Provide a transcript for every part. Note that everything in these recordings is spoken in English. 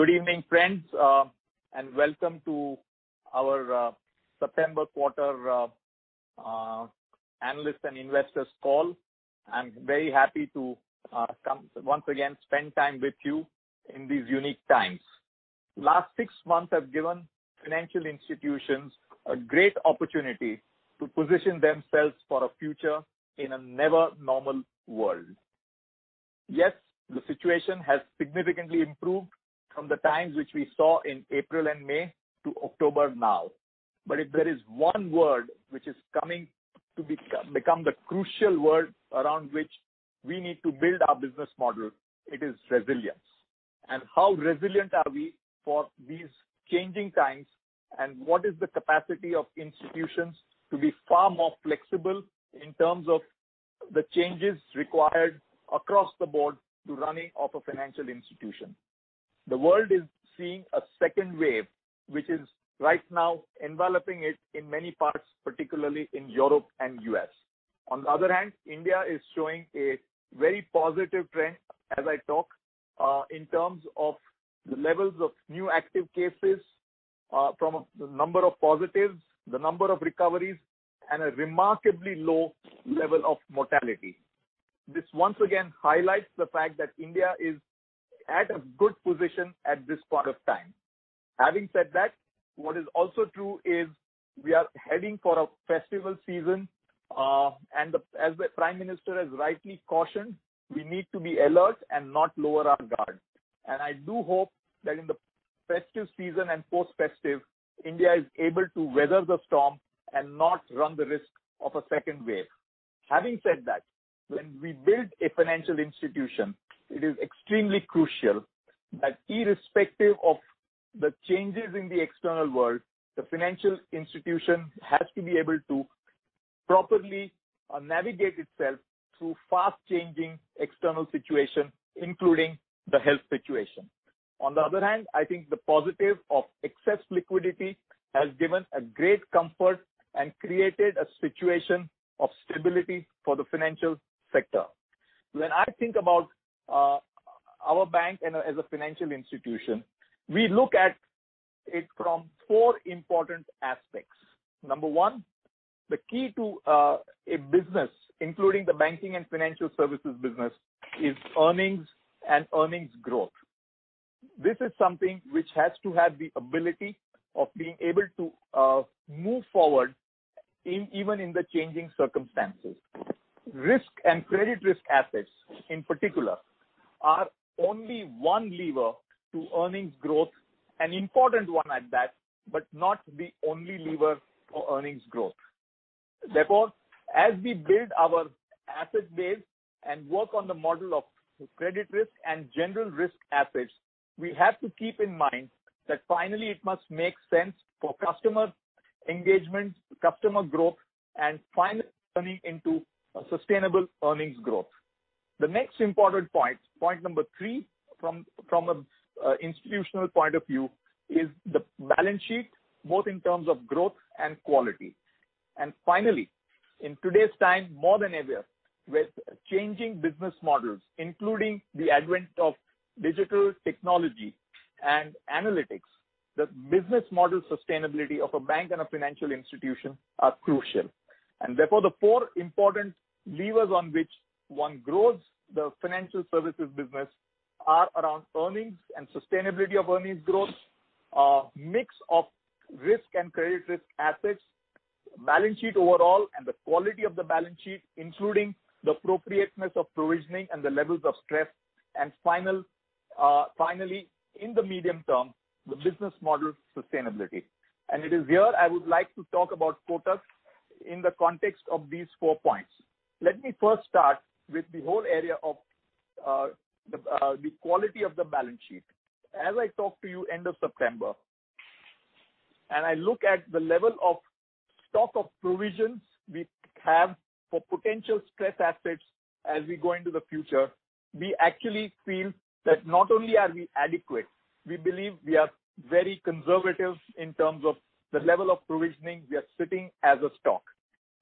Good evening, friends, and welcome to our September quarter analyst and investors call. I'm very happy to come once again, spend time with you in these unique times. Last six months have given financial institutions a great opportunity to position themselves for a future in a never normal world. Yes, the situation has significantly improved from the times which we saw in April and May to October now, but if there is one word which is coming to become the crucial word around which we need to build our business model, it is resilience, and how resilient are we for these changing times, and what is the capacity of institutions to be far more flexible in terms of the changes required across the board to running of a financial institution? The world is seeing a second wave, which is right now enveloping it in many parts, particularly in Europe and U.S. On the other hand, India is showing a very positive trend as I talk, in terms of the levels of new active cases, from the number of positives, the number of recoveries, and a remarkably low level of mortality. This once again highlights the fact that India is at a good position at this point of time. Having said that, what is also true is we are heading for a festival season, as the Prime Minister has rightly cautioned, we need to be alert and not lower our guard. And I do hope that in the festive season and post-festive, India is able to weather the storm and not run the risk of a second wave. Having said that, when we build a financial institution, it is extremely crucial that irrespective of the changes in the external world, the financial institution has to be able to properly navigate itself through fast-changing external situation, including the health situation. On the other hand, I think the positive of excess liquidity has given a great comfort and created a situation of stability for the financial sector. When I think about, our bank and as a financial institution, we look at it from four important aspects. Number one, the key to, a business, including the banking and financial services business, is earnings and earnings growth. This is something which has to have the ability of being able to, move forward in, even in the changing circumstances. Risk and credit risk assets, in particular, are only one lever to earnings growth, an important one at that, but not the only lever for earnings growth. Therefore, as we build our asset base and work on the model of credit risk and general risk assets, we have to keep in mind that finally it must make sense for customer engagement, customer growth, and finally turning into a sustainable earnings growth. The next important point, point number three, from an institutional point of view, is the balance sheet, both in terms of growth and quality. And finally, in today's time, more than ever, with changing business models, including the advent of digital technology and analytics, the business model sustainability of a bank and a financial institution are crucial. And therefore, the four important levers on which one grows the financial services business are around earnings and sustainability of earnings growth, mix of risk and credit risk assets, balance sheet overall, and the quality of the balance sheet, including the appropriateness of provisioning and the levels of stress. And finally, in the medium term, the business model sustainability. And it is here I would like to talk about Kotak in the context of these four points. Let me first start with the whole area of the quality of the balance sheet. As I talk to you, end of September, and I look at the level of stock of provisions we have for potential stress assets as we go into the future, we actually feel that not only are we adequate, we believe we are very conservative in terms of the level of provisioning we are sitting as a stock.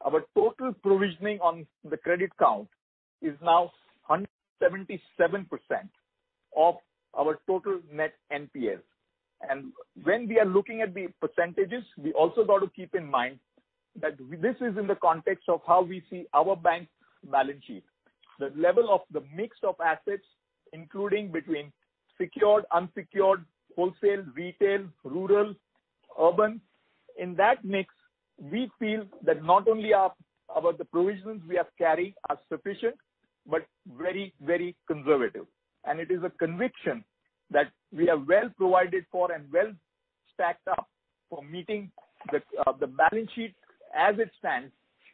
Our total provisioning on the credit count is now 177% of our total net NPLs, and when we are looking at the percentages, we also got to keep in mind that this is in the context of how we see our bank's balance sheet, the level of the mix of assets, including between secured, unsecured, wholesale, retail, rural, urban. In that mix, we feel that not only are the provisions we are carrying sufficient, but very, very conservative. It is a conviction that we are well provided for and well stacked up for meeting the balance sheet as it stands,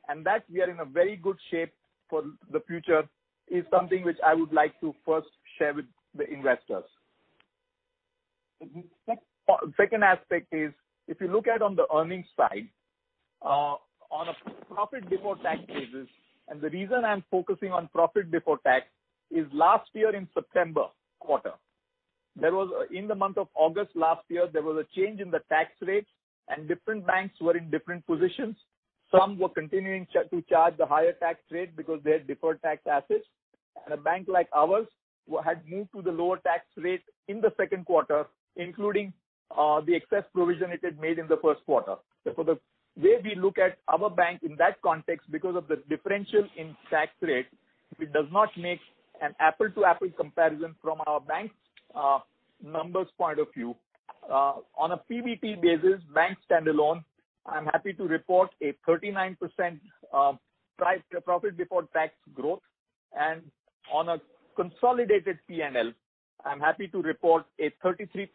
and that we are in a very good shape for the future is something which I would like to first share with the investors. The second aspect is if you look at on the earnings side, on a profit before tax basis, and the reason I'm focusing on profit before tax is last year in September quarter, in the month of August last year, there was a change in the tax rates, and different banks were in different positions. Some were continuing to charge the higher tax rate because they had deferred tax assets, and a bank like ours had moved to the lower tax rate in the second quarter, including the excess provision it had made in the first quarter. Therefore, the way we look at our bank in that context, because of the differential in tax rate, it does not make an apple-to-apple comparison from our bank's numbers point of view. On a PBT basis, bank standalone, I'm happy to report a 39% profit before tax growth, and on a consolidated PNL, I'm happy to report a 33%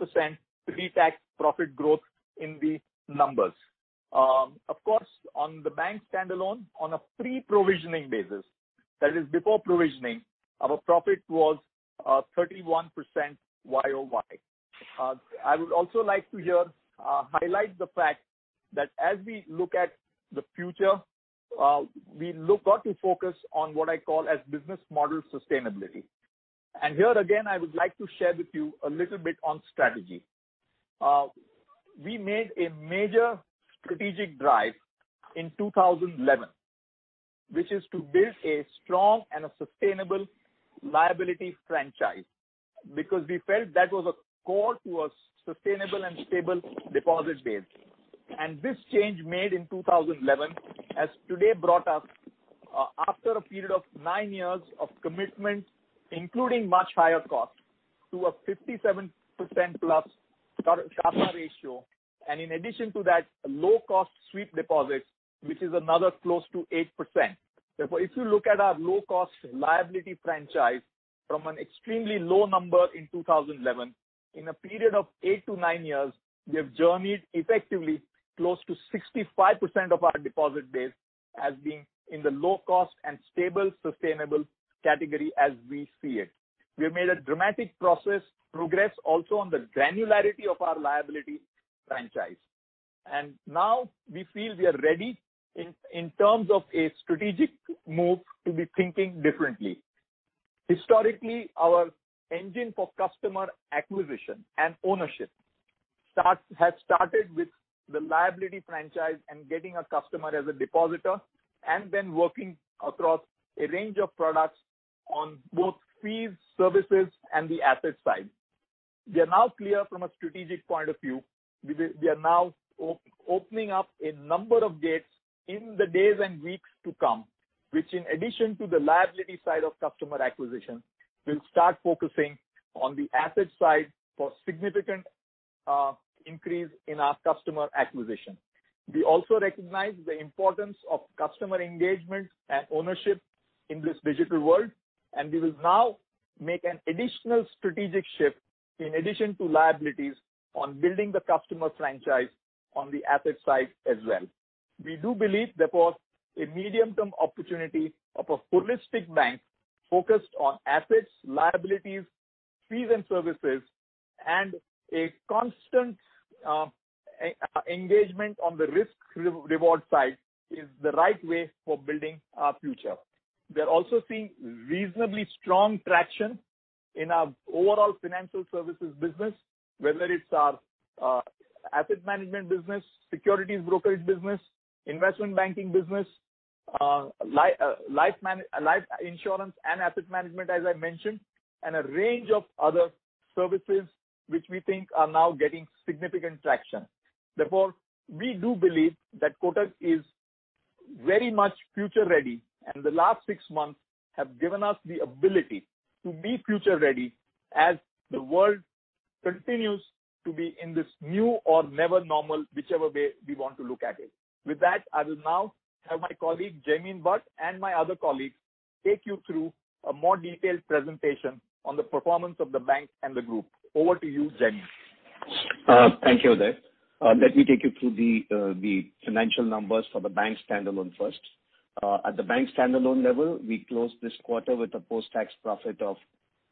pre-tax profit growth in the numbers. Of course, on the bank standalone, on a pre-provisioning basis, that is before provisioning, our profit was 31% YOY. I would also like to highlight the fact that as we look at the future, we look out to focus on what I call as business model sustainability. And here again, I would like to share with you a little bit on strategy. We made a major strategic drive in 2011, which is to build a strong and a sustainable liability franchise, because we felt that was a core to a sustainable and stable deposit base. And this change made in 2011 has today brought us, after a period of nine years of commitment, including much higher cost, to a 57%+ CAR, and in addition to that, a low-cost sweep deposit, which is another close to 8%. Therefore, if you look at our low-cost liability franchise from an extremely low number in 2011, in a period of eight to nine years, we have journeyed effectively close to 65% of our deposit base as being in the low cost and stable, sustainable category as we see it. We have made a dramatic process progress also on the granularity of our liability franchise, and now we feel we are ready in terms of a strategic move to be thinking differently. Historically, our engine for customer acquisition and ownership has started with the liability franchise and getting a customer as a depositor, and then working across a range of products on both fees, services, and the asset side. We are now clear from a strategic point of view. We are now opening up a number of gates in the days and weeks to come, which in addition to the liability side of customer acquisition, will start focusing on the asset side for significant increase in our customer acquisition. We also recognize the importance of customer engagement and ownership in this digital world, and we will now make an additional strategic shift, in addition to liabilities, on building the customer franchise on the asset side as well. We do believe, therefore, a medium-term opportunity of a holistic bank focused on assets, liabilities, fees and services, and a constant engagement on the risk-reward side, is the right way for building our future. We are also seeing reasonably strong traction in our overall financial services business, whether it's our asset management business, securities brokerage business, investment banking business, life insurance and asset management, as I mentioned, and a range of other services which we think are now getting significant traction. Therefore, we do believe that Kotak is very much future ready, and the last six months have given us the ability to be future ready as the world continues to be in this new or never normal, whichever way we want to look at it. With that, I will now have my colleague, Jaimin Bhatt, and my other colleagues, take you through a more detailed presentation on the performance of the bank and the group. Over to you, Jaimin. Thank you, Uday. Let me take you through the financial numbers for the bank standalone first. At the bank standalone level, we closed this quarter with a post-tax profit of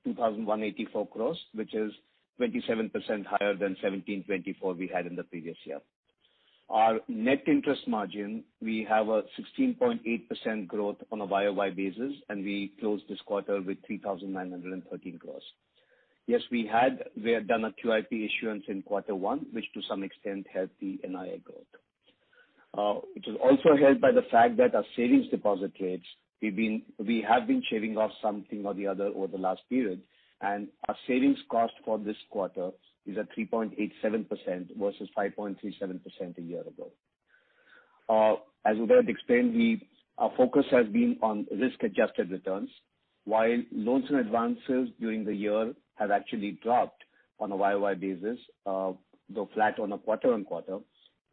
2,184 crores, which is 27% higher than 1,724 we had in the previous year. Our net interest margin, we have a 16.8% growth on a YOY basis, and we closed this quarter with 3,913 crores. Yes, we had done a QIP issuance in quarter one, which to some extent helped the NIM growth. It was also helped by the fact that our savings deposit rates, we've been shaving off something or the other over the last period, and our savings cost for this quarter is at 3.87% versus 5.37% a year ago. As Uday explained, our focus has been on risk-adjusted returns, while loans and advances during the year have actually dropped on a YOY basis, though flat on a quarter on quarter.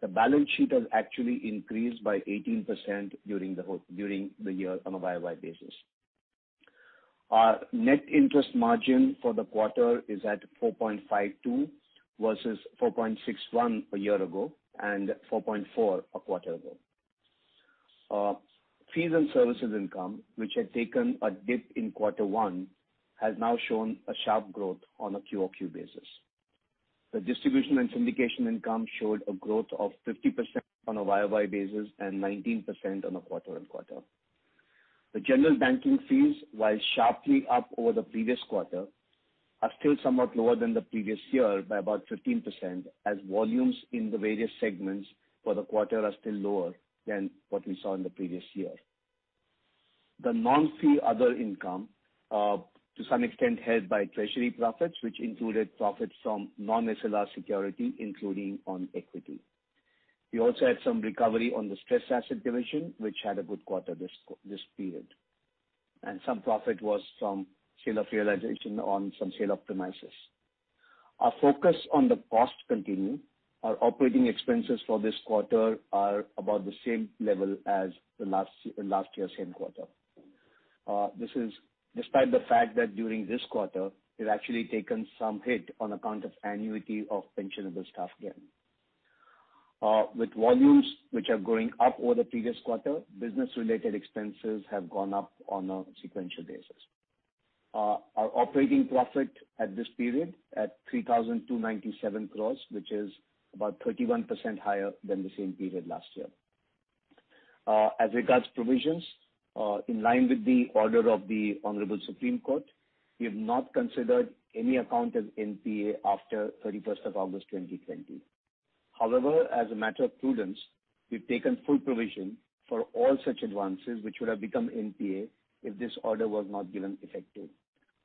The balance sheet has actually increased by 18% during the year on a YOY basis. Our net interest margin for the quarter is at 4.52%, versus 4.61% a year ago, and 4.4% a quarter ago. Fees and services income, which had taken a dip in quarter one, has now shown a sharp growth on a QOQ basis. The distribution and syndication income showed a growth of 50% on a YOY basis and 19% on a quarter on quarter. The general banking fees, while sharply up over the previous quarter, are still somewhat lower than the previous year by about 15%, as volumes in the various segments for the quarter are still lower than what we saw in the previous year. The non-fee other income, to some extent, helped by treasury profits, which included profits from non-SLR security, including on equity. We also had some recovery on the stress asset division, which had a good quarter this period, and some profit was from sale of realization on some sale of assets. Our focus on the cost continue. Our operating expenses for this quarter are about the same level as last year's same quarter. This is despite the fact that during this quarter, we've actually taken some hit on account of annuity of pensionable staff gain. With volumes which are going up over the previous quarter, business-related expenses have gone up on a sequential basis. Our operating profit for this period is 3,297 crores, which is about 31% higher than the same period last year. As regards provisions, in line with the order of the Honorable Supreme Court, we have not considered any account as NPA after 31 August 2020. However, as a matter of prudence, we've taken full provision for all such advances, which would have become NPA if this order was not given effective.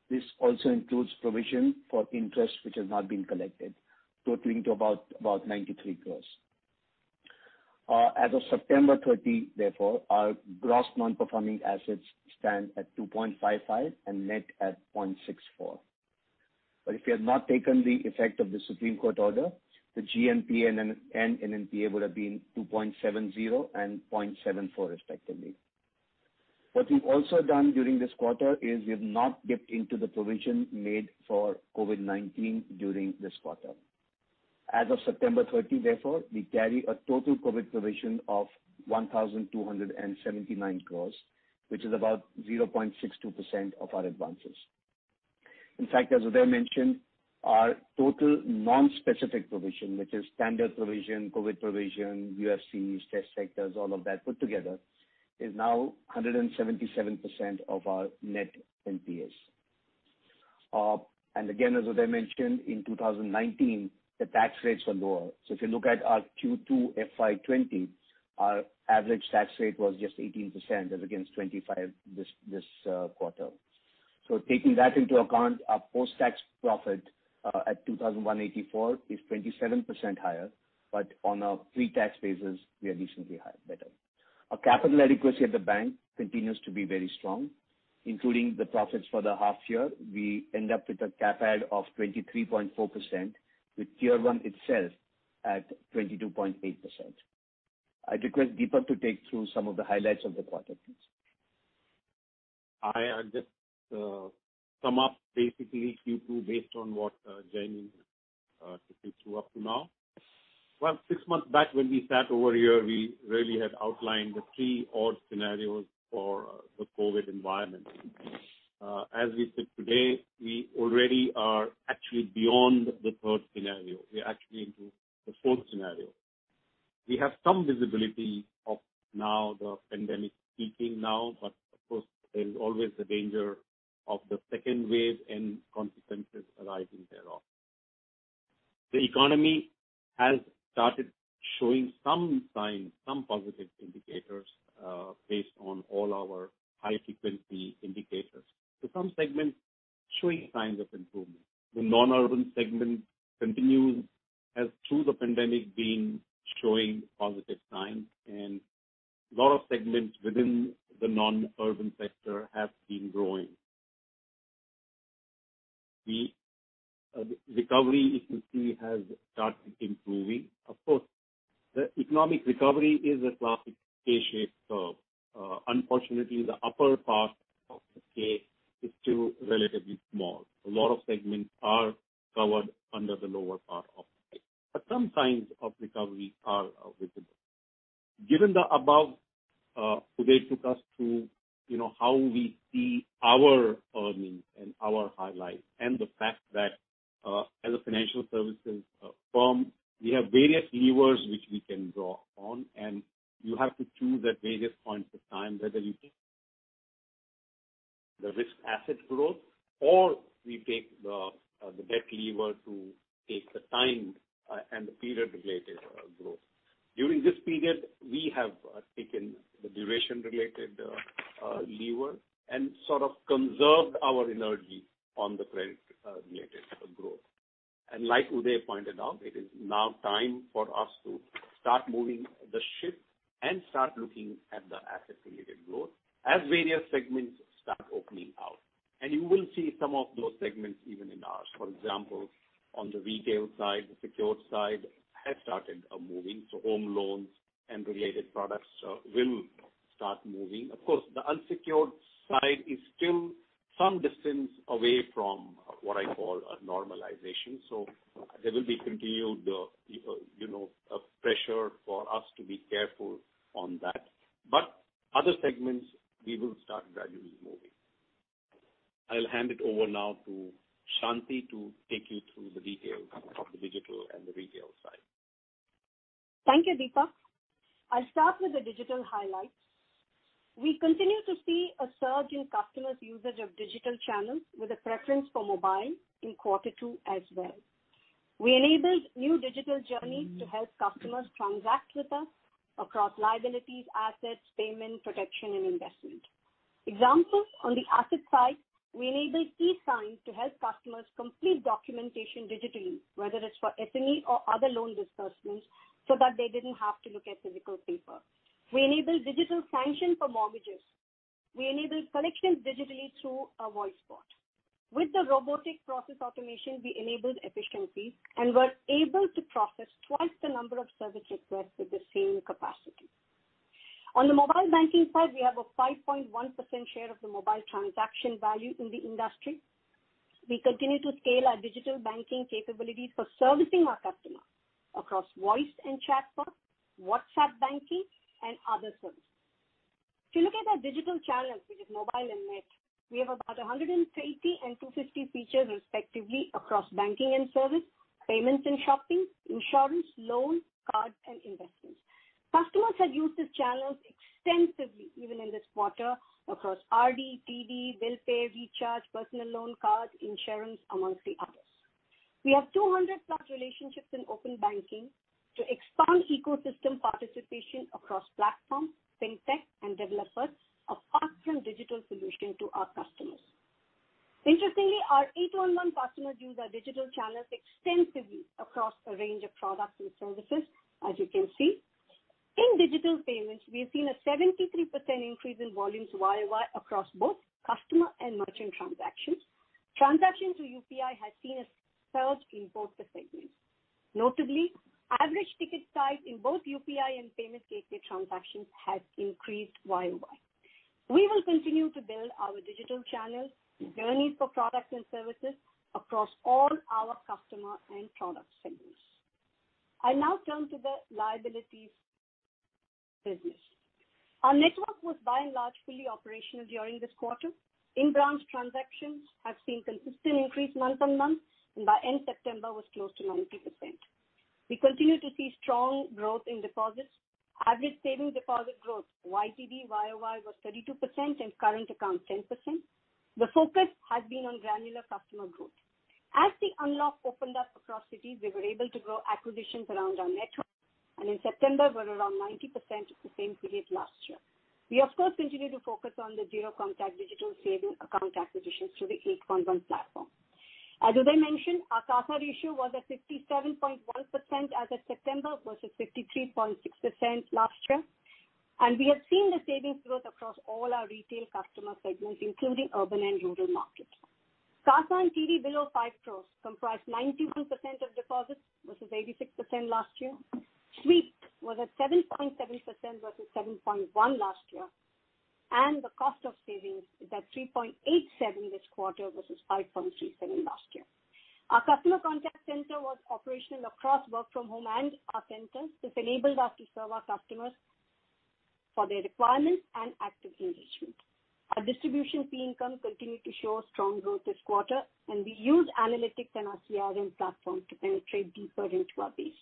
This also includes provision for interest, which has not been collected, totaling to about ninety-three crores. As of September 30, therefore, our gross non-performing assets stand at 2.55 and net at 0.64. But if you had not taken the effect of the Supreme Court order, the GNPA and NNPA would have been 2.70 and 0.74, respectively. What we've also done during this quarter is we've not dipped into the provision made for COVID-19 during this quarter. As of September 30, therefore, we carry a total COVID provision of 1,279 crores, which is about 0.62% of our advances. In fact, as Uday mentioned, our total non-specific provision, which is standard provision, COVID provision, UFCs, stressed sectors, all of that put together, is now 177% of our net NPAs. And again, as Uday mentioned, in 2019, the tax rates were lower. So if you look at our Q2 FY20, our average tax rate was just 18%, as against 25% this quarter. So taking that into account, our post-tax profit at 2,184 is 27% higher, but on a pre-tax basis, we are decently high, better. Our capital adequacy at the bank continues to be very strong, including the profits for the half year, we end up with a Cap Ad of 23.4%, with Tier 1 itself at 22.8%. I'd request Dipak to take through some of the highlights of the quarter, please. I just sum up basically Q2 based on what Jai took you through up to now. Well, six months back when we sat over here, we really had outlined the three odd scenarios for the COVID environment. As we sit today, we already are actually beyond the third scenario. We are actually into the fourth scenario. We have some visibility of now the pandemic peaking now, but of course, there is always the danger of the second wave and consequences arising thereof. The economy has started showing some signs, some positive indicators, based on all our high-frequency indicators. So some segments showing signs of improvement. The non-urban segment continues, as through the pandemic, been showing positive signs, and a lot of segments within the non-urban sector have been growing. The recovery, if you see, has started improving. Of course, the economic recovery is a classic K-shaped curve. Unfortunately, the upper part of the K is still relatively small. A lot of segments are covered under the lower part of the K, but some signs of recovery are visible. Given the above, Uday took us through, you know, how we see our earnings and our highlights, and the fact that, as a financial services firm, we have various levers which we can draw on, and you have to choose at various points of time, whether you take the risk asset growth or we take the debt lever to take the time, and the period-related growth. During this period, we have taken the duration-related lever and sort of conserved our energy on the credit related growth. Like Uday pointed out, it is now time for us to start moving the ship and start looking at the asset-related growth as various segments start opening out. You will see some of those segments even in ours. For example, on the retail side, the secured side has started moving, so home loans and related products will start moving. Of course, the unsecured side is still some distance away from what I call a normalization, so there will be continued you know pressure for us to be careful on that. But other segments, we will start gradually. I'll hand it over now to Shanti to take you through the details of the digital and the retail side. Thank you, Dipak. I'll start with the digital highlights. We continue to see a surge in customers' usage of digital channels, with a preference for mobile in quarter two as well. We enabled new digital journeys to help customers transact with us across liabilities, assets, payment, protection, and investment. Examples, on the asset side, we enabled e-sign to help customers complete documentation digitally, whether it's for SME or other loan disbursements, so that they didn't have to look at physical paper. We enabled digital sanction for mortgages. We enabled collections digitally through a voice bot. With the robotic process automation, we enabled efficiency and were able to process twice the number of service requests with the same capacity. On the mobile banking side, we have a 5.1% share of the mobile transaction value in the industry. We continue to scale our digital banking capabilities for servicing our customers across voice and chatbot, WhatsApp banking, and other services. If you look at our digital channels, which is mobile and net, we have about 150 and 250 features respectively across banking and service, payments and shopping, insurance, loans, cards, and investments. Customers had used these channels extensively, even in this quarter, across RD, TD, bill pay, recharge, personal loan, cards, insurance, amongst the others. We have 200+ relationships in open banking to expand ecosystem participation across platforms, fintech, and developers of platform digital solution to our customers. Interestingly, our 811 customers use our digital channels extensively across a range of products and services, as you can see. In digital payments, we have seen a 73% increase in volumes YOY across both customer and merchant transactions. Transactions through UPI has seen a surge in both the segments. Notably, average ticket size in both UPI and payments gateway transactions has increased YOY. We will continue to build our digital channels, journeys for products and services across all our customer and product segments. I now turn to the liabilities business. Our network was by and large fully operational during this quarter. In-branch transactions have seen consistent increase month on month, and by end September was close to 90%. We continue to see strong growth in deposits. Average saving deposit growth YTD, YOY was 32% and current account, 10%. The focus has been on granular customer growth. As the unlock opened up across cities, we were able to grow acquisitions around our network, and in September were around 90% of the same period last year. We, of course, continue to focus on the zero-contact digital savings account acquisitions through the 811 platform. As Virat mentioned, our CASA ratio was at 67.1% as of September, versus 53.6% last year, and we have seen the savings growth across all our retail customer segments, including urban and rural markets. CASA and TD below 5 crores comprise 92% of deposits, versus 86% last year. Sweep was at 7.7% versus 7.1% last year, and the cost of savings is at 3.87% this quarter versus 5.37% last year. Our customer contact center was operational across work from home and our centers. This enabled us to serve our customers for their requirements and active engagement. Our distribution fee income continued to show a strong growth this quarter, and we used analytics and our CRM platform to penetrate deeper into our base.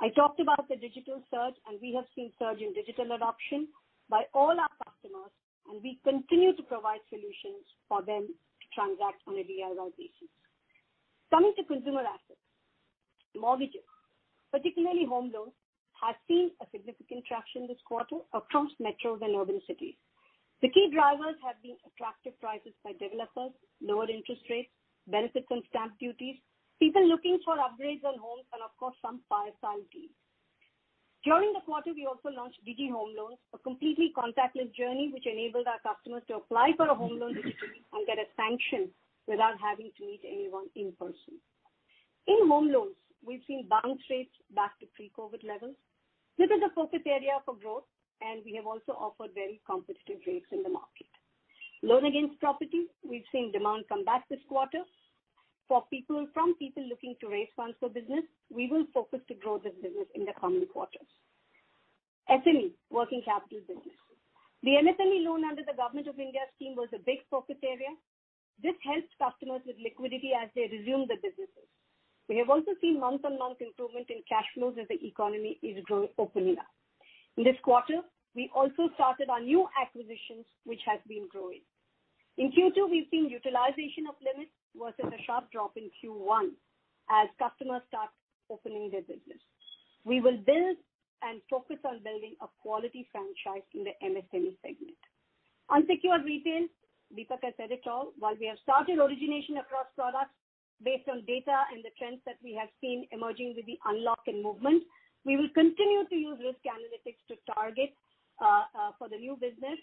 I talked about the digital surge, and we have seen surge in digital adoption by all our customers, and we continue to provide solutions for them to transact on a real-time basis. Coming to consumer assets. Mortgages, particularly home loans, have seen a significant traction this quarter across metro and urban cities. The key drivers have been attractive prices by developers, lower interest rates, benefits and stamp duties, people looking for upgrades on homes, and of course, some five-star deals. During the quarter, we also launched Digi Home Loans, a completely contactless journey, which enabled our customers to apply for a home loan digitally and get it sanctioned without having to meet anyone in person. In home loans, we've seen balance sheets back to pre-COVID levels. This is a focus area for growth, and we have also offered very competitive rates in the market. Loan against property, we've seen demand come back this quarter. From people looking to raise funds for business, we will focus to grow this business in the coming quarters. SME working capital business. The MSME loan under the Government of India scheme was a big focus area. This helps customers with liquidity as they resume their businesses. We have also seen month-on-month improvement in cash flows as the economy is opening up. In this quarter, we also started our new acquisitions, which has been growing. In Q2, we've seen utilization of limits versus a sharp drop in Q1 as customers start opening their business. We will build and focus on building a quality franchise in the MSME segment. Unsecured retail, Deepak has said it all. While we have started origination across products based on data and the trends that we have seen emerging with the unlock and movement, we will continue to use risk analytics to target for the new business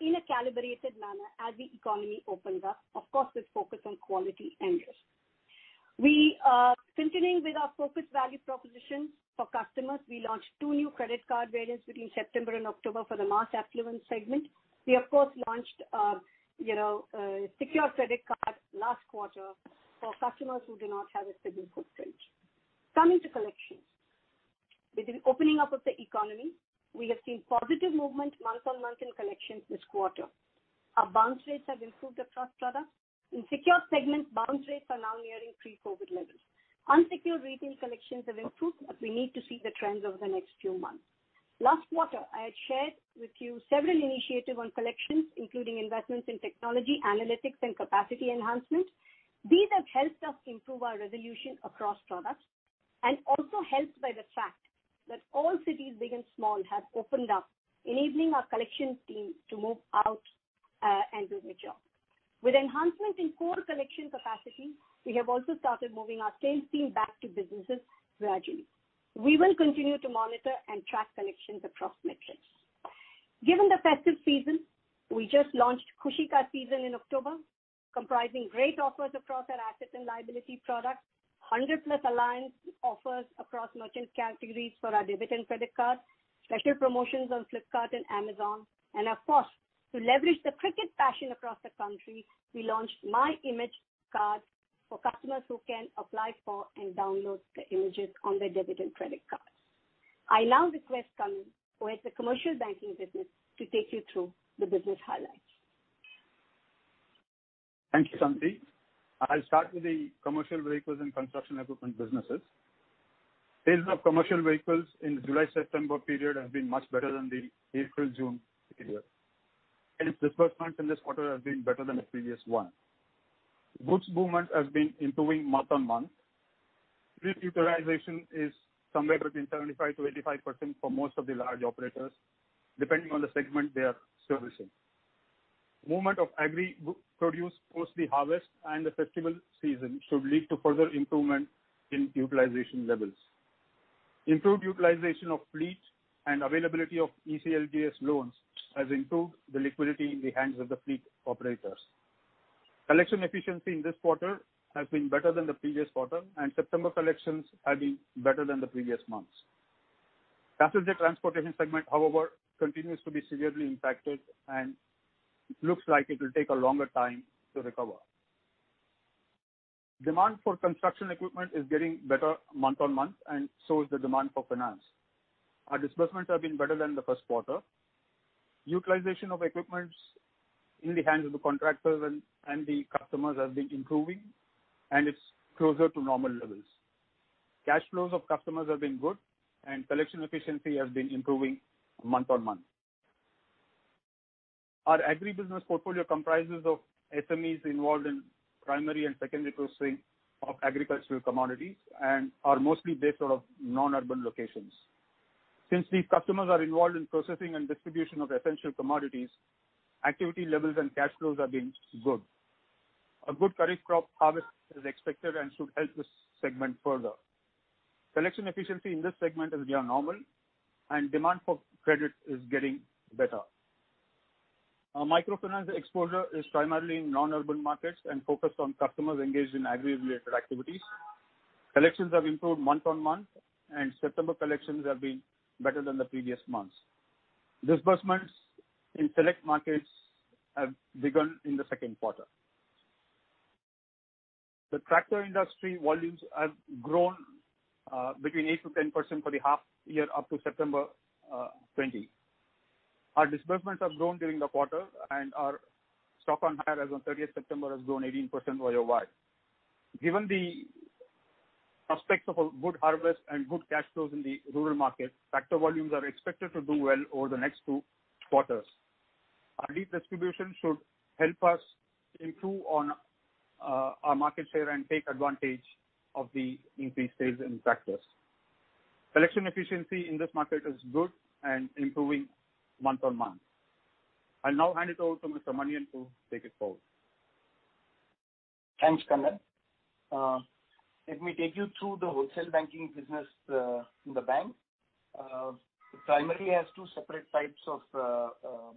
in a calibrated manner as the economy opens up. Of course, with focus on quality and risk. We are continuing with our focus value proposition for customers. We launched two new credit card variants between September and October for the mass affluent segment. We, of course, launched, you know, secured credit card last quarter for customers who do not have a signal footprint. Coming to collections. With the opening up of the economy, we have seen positive movement month on month in collections this quarter. Our bounce rates have improved across products. In secure segments, bounce rates are now nearing pre-COVID levels. Unsecured retail collections have improved, but we need to see the trends over the next few months. Last quarter, I had shared with you several initiatives on collections, including investments in technology, analytics, and capacity enhancement. These have helped us improve our resolution across products, and also helped by the fact that all cities, big and small, have opened up, enabling our collection team to move out, and do their job. With enhancement in core collection capacity, we have also started moving our sales team back to businesses gradually. We will continue to monitor and track collections across metrics. Given the festive season, we just launched Khushi Ka Season in October, comprising great offers across our assets and liability products, 100+ alliance offers across merchant categories for our debit and credit cards, special promotions on Flipkart and Amazon. Of course, to leverage the cricket passion across the country, we launched MyImage Card for customers who can apply for and download their images on their debit and credit cards. I now request Kannan, who heads the commercial banking business, to take you through the business highlights. Thank you, Shanti. I'll start with the commercial vehicles and construction equipment businesses. Sales of commercial vehicles in the July-September period have been much better than the April-June period, and the first month in this quarter has been better than the previous one. Goods movement has been improving month on month. Fleet utilization is somewhere between 75% to 85% for most of the large operators, depending on the segment they are servicing. Movement of agri produce, post the harvest and the festival season, should lead to further improvement in utilization levels. Improved utilization of fleet and availability of ECLGS loans has improved the liquidity in the hands of the fleet operators. Collection efficiency in this quarter has been better than the previous quarter, and September collections have been better than the previous months. Passenger transportation segment, however, continues to be severely impacted and looks like it will take a longer time to recover. Demand for construction equipment is getting better month on month, and so is the demand for finance. Our disbursements have been better than the first quarter. Utilization of equipments in the hands of the contractors and the customers has been improving, and it's closer to normal levels. Cash flows of customers have been good, and collection efficiency has been improving month on month. Our agri business portfolio comprises of SMEs involved in primary and secondary processing of agricultural commodities and are mostly based out of non-urban locations. Since these customers are involved in processing and distribution of essential commodities, activity levels and cash flows have been good. A good kharif crop harvest is expected and should help this segment further. Collection efficiency in this segment is near normal, and demand for credit is getting better. Our microfinance exposure is primarily in non-urban markets and focused on customers engaged in agri-related activities. Collections have improved month on month, and September collections have been better than the previous months. Disbursements in select markets have begun in the second quarter. The tractor industry volumes have grown between 8-10% for the half year up to September 2020. Our disbursements have grown during the quarter, and our stock on hire as on 13 September has grown 18% year over year. Given the prospects of a good harvest and good cash flows in the rural market, tractor volumes are expected to do well over the next two quarters. Our lead distribution should help us improve on our market share and take advantage of the increased sales in tractors. Collection efficiency in this market is good and improving month on month. I'll now hand it over to Mr. Manian to take it forward. Thanks, Kannan. Let me take you through the wholesale banking business in the bank. It primarily has two separate types of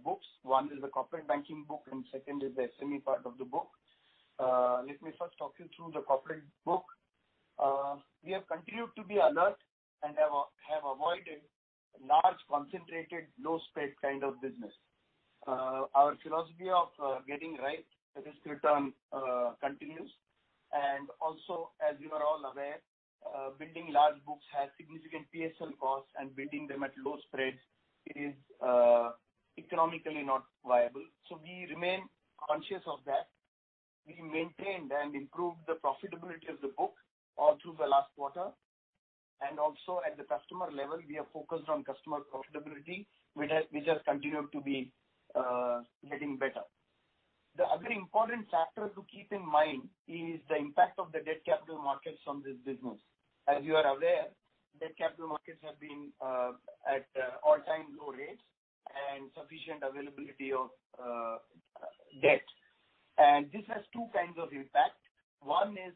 books. One is the corporate banking book, and second is the SME part of the book. Let me first talk you through the corporate book. We have continued to be alert and have avoided large, concentrated, low-spread kind of business. Our philosophy of getting right risk return continues. And also, as you are all aware, building large books has significant PSL costs, and building them at low spreads is economically not viable. So we remain conscious of that. We maintained and improved the profitability of the book all through the last quarter, and also at the customer level, we are focused on customer profitability, which has continued to be getting better. The other important factor to keep in mind is the impact of the debt capital markets on this business. As you are aware, debt capital markets have been at all-time low rates and sufficient availability of debt. And this has two kinds of impact. One is,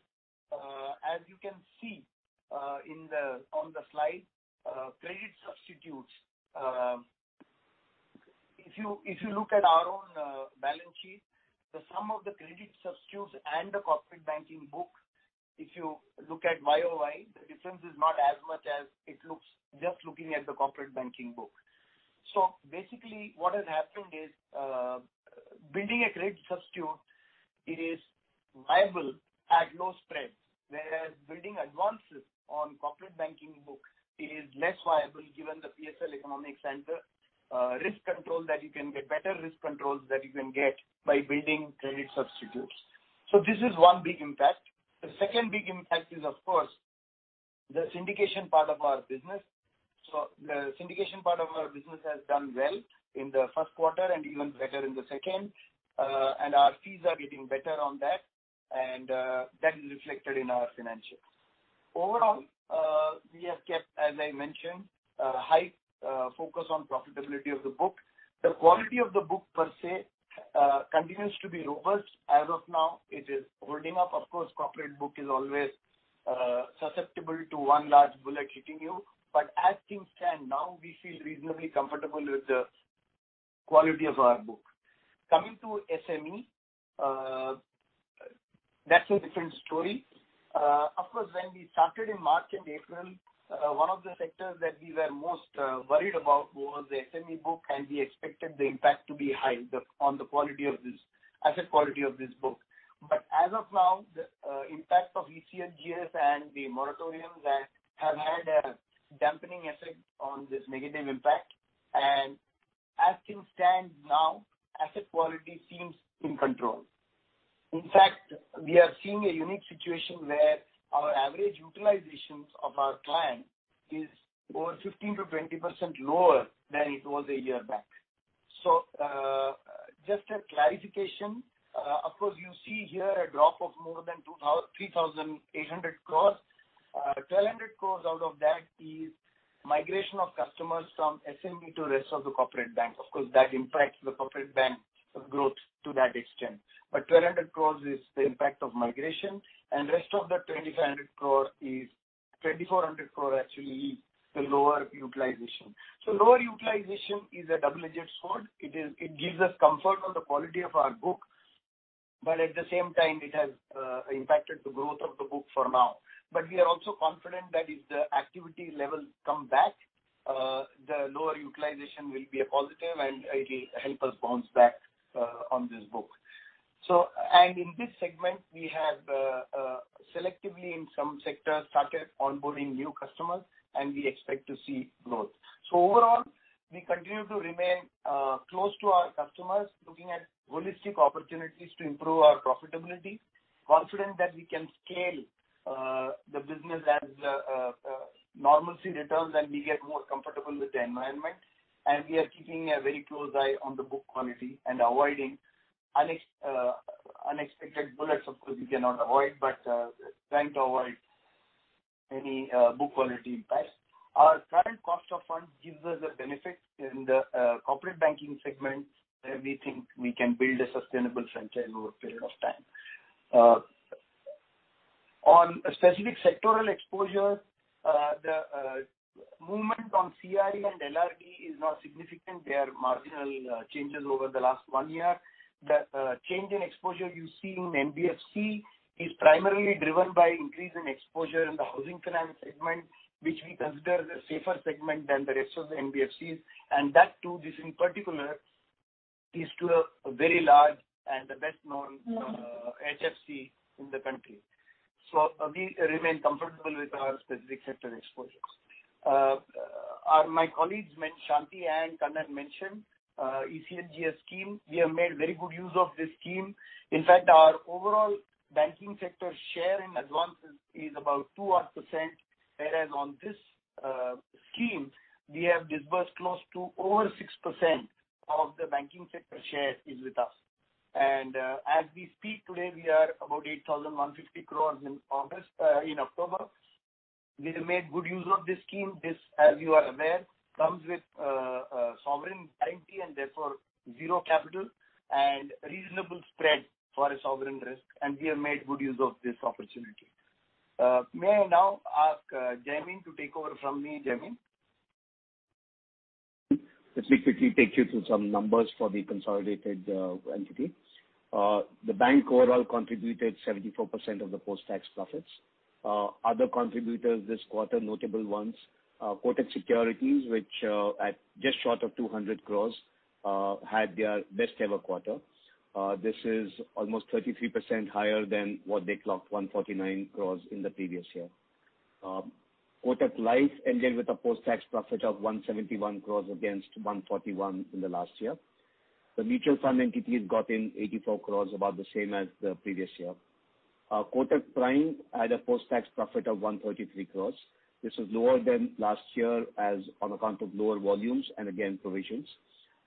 as you can see, on the slide, credit substitutes. If you look at our own balance sheet, the sum of the credit substitutes and the corporate banking book, if you look at YOY, the difference is not as much as it looks just looking at the corporate banking book. So basically, what has happened is building a credit substitute is viable at low spreads, whereas building advances on corporate banking book is less viable given the PSL economics and the risk control that you can get, better risk controls that you can get by building credit substitutes. So this is one big impact. The second big impact is, of course, the syndication part of our business. So the syndication part of our business has done well in the first quarter and even better in the second, and our fees are getting better on that, and that is reflected in our financials. Overall, we have kept, as I mentioned, a high focus on profitability of the book. The quality of the book per se continues to be robust. As of now, it is holding up. Of course, corporate book is always susceptible to one large bullet hitting you, but as things stand now, we feel reasonably comfortable with the quality of our book. Coming to SME, that's a different story. Of course, when we started in March and April, one of the sectors that we were most worried about was the SME book, and we expected the impact to be high on the quality of this asset quality of this book, but as of now, the impact of ECLGS and the moratoriums that have had a dampening effect on this negative impact, and as things stand now, asset quality seems in control. In fact, we are seeing a unique situation where our average utilizations of our clients is over 15%-20% lower than it was a year back. Just a clarification, of course, you see here a drop of more than 3,800 crores. 1,200 crores out of that is migration of customers from SME to rest of the corporate bank. Of course, that impacts the corporate bank growth to that extent. But 1,200 crores is the impact of migration, and rest of the 2,400 crores is, 2,400 crores actually is the lower utilization. So lower utilization is a double-edged sword. It is, it gives us comfort on the quality of our book, but at the same time, it has impacted the growth of the book for now. But we are also confident that if the activity levels come back, the lower utilization will be a positive, and it will help us bounce back on this book. So, and in this segment, we have selectively in some sectors started onboarding new customers, and we expect to see growth. So overall, we continue to remain close to our customers, looking at holistic opportunities to improve our profitability, confident that we can scale the business as normalcy returns, and we get more comfortable with the environment. And we are keeping a very close eye on the book quality and avoiding unexpected bullets. Of course, we cannot avoid, but trying to avoid any book quality impact. Our current cost of funds gives us a benefit in the corporate banking segment, where we think we can build a sustainable center over a period of time. On specific sectoral exposure, the movement on CRE and LRD is not significant. They are marginal changes over the last one year. The change in exposure you see in NBFC is primarily driven by increase in exposure in the housing finance segment, which we consider the safer segment than the rest of the NBFCs, and that, too, this in particular, is to a very large and the best-known HFC in the country. So we remain comfortable with our specific sector exposures. My colleagues, Shanti and Kannan, mentioned ECLGS scheme. We have made very good use of this scheme. In fact, our overall banking sector share in advances is about two odd %, whereas on this scheme, we have disbursed close to over 6% of the banking sector share is with us. As we speak today, we are about 8,150 crores in August, in October. We have made good use of this scheme. This, as you are aware, comes with a sovereign guarantee and therefore zero capital and reasonable spread for a sovereign risk, and we have made good use of this opportunity. May I now ask Jaimin to take over from me? Jaimin? Let me quickly take you through some numbers for the consolidated entity. The bank overall contributed 74% of the post-tax profits. Other contributors this quarter, notable ones, Kotak Securities, which, at just short of 200 crores, had their best-ever quarter. This is almost 33% higher than what they clocked, 149 crores, in the previous year. Kotak Life ended with a post-tax profit of 171 crores against 141 crores in the last year. The mutual fund entity has got in 84 crores, about the same as the previous year. Kotak Prime had a post-tax profit of 133 crores. This is lower than last year as on account of lower volumes and, again, provisions.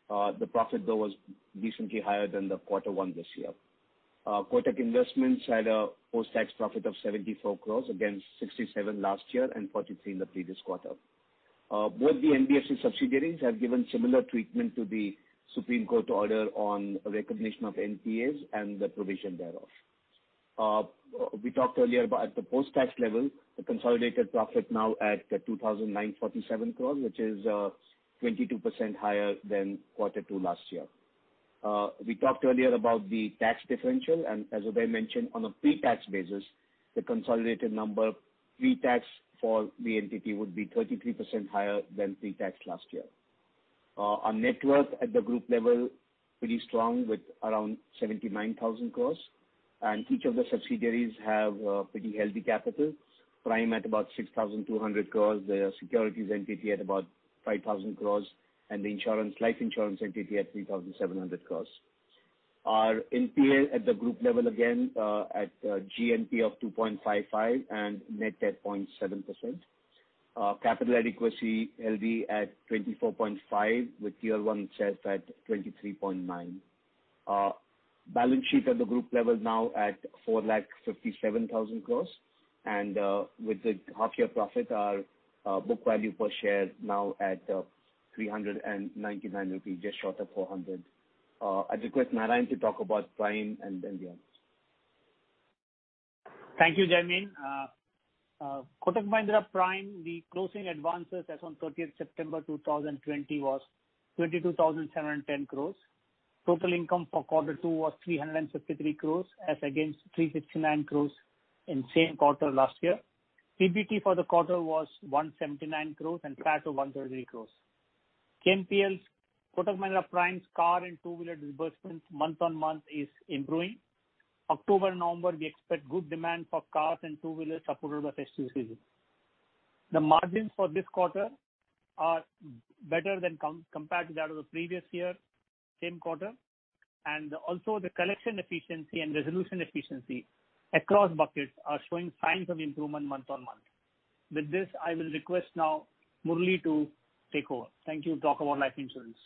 The profit, though, was decently higher than the quarter one this year. Kotak Investments had a post-tax profit of 74 crores against 67 last year and 43 in the previous quarter. Both the NBFC subsidiaries have given similar treatment to the Supreme Court order on recognition of NPAs and the provision thereof. We talked earlier about at the post-tax level, the consolidated profit now at 2,947 crores, which is 22% higher than quarter two last year. We talked earlier about the tax differential, and as Uday mentioned, on a pre-tax basis, the consolidated number pre-tax for the entity would be 33% higher than pre-tax last year. Our net worth at the group level, pretty strong, with around 79,000 crores, and each of the subsidiaries have pretty healthy capital. Prime at about 6,200 crores, the securities entity at about 5,000 crores, and the insurance, life insurance entity at 3,700 crores. Our NPA at the group level, again, GNP of 2.55% and net at 0.7%. Capital adequacy will be at 24.5%, with tier one itself at 23.9%. Balance sheet at the group level now at 4 lakh 57000 crores. And, with the half year profit, our book value per share now at 399 rupees, just short of 400. I'd request Narayan to talk about Prime and then the others. Thank you, Jaimin. Kotak Mahindra Prime, the closing advances as on 23 September 2020 was 22,710 crores. Total income for quarter two was 353 crores as against 369 crores in same quarter last year. PBT for the quarter was 179 crores and PAT was 133 crores. KMPL's, Kotak Mahindra Prime's car and two-wheeler disbursements month on month is improving. October, November, we expect good demand for cars and two-wheelers supported by festive season. The margins for this quarter are better than compared to that of the previous year, same quarter, and also the collection efficiency and resolution efficiency across buckets are showing signs of improvement month on month. With this, I will request now Murali to take over. Thank you. Talk about life insurance.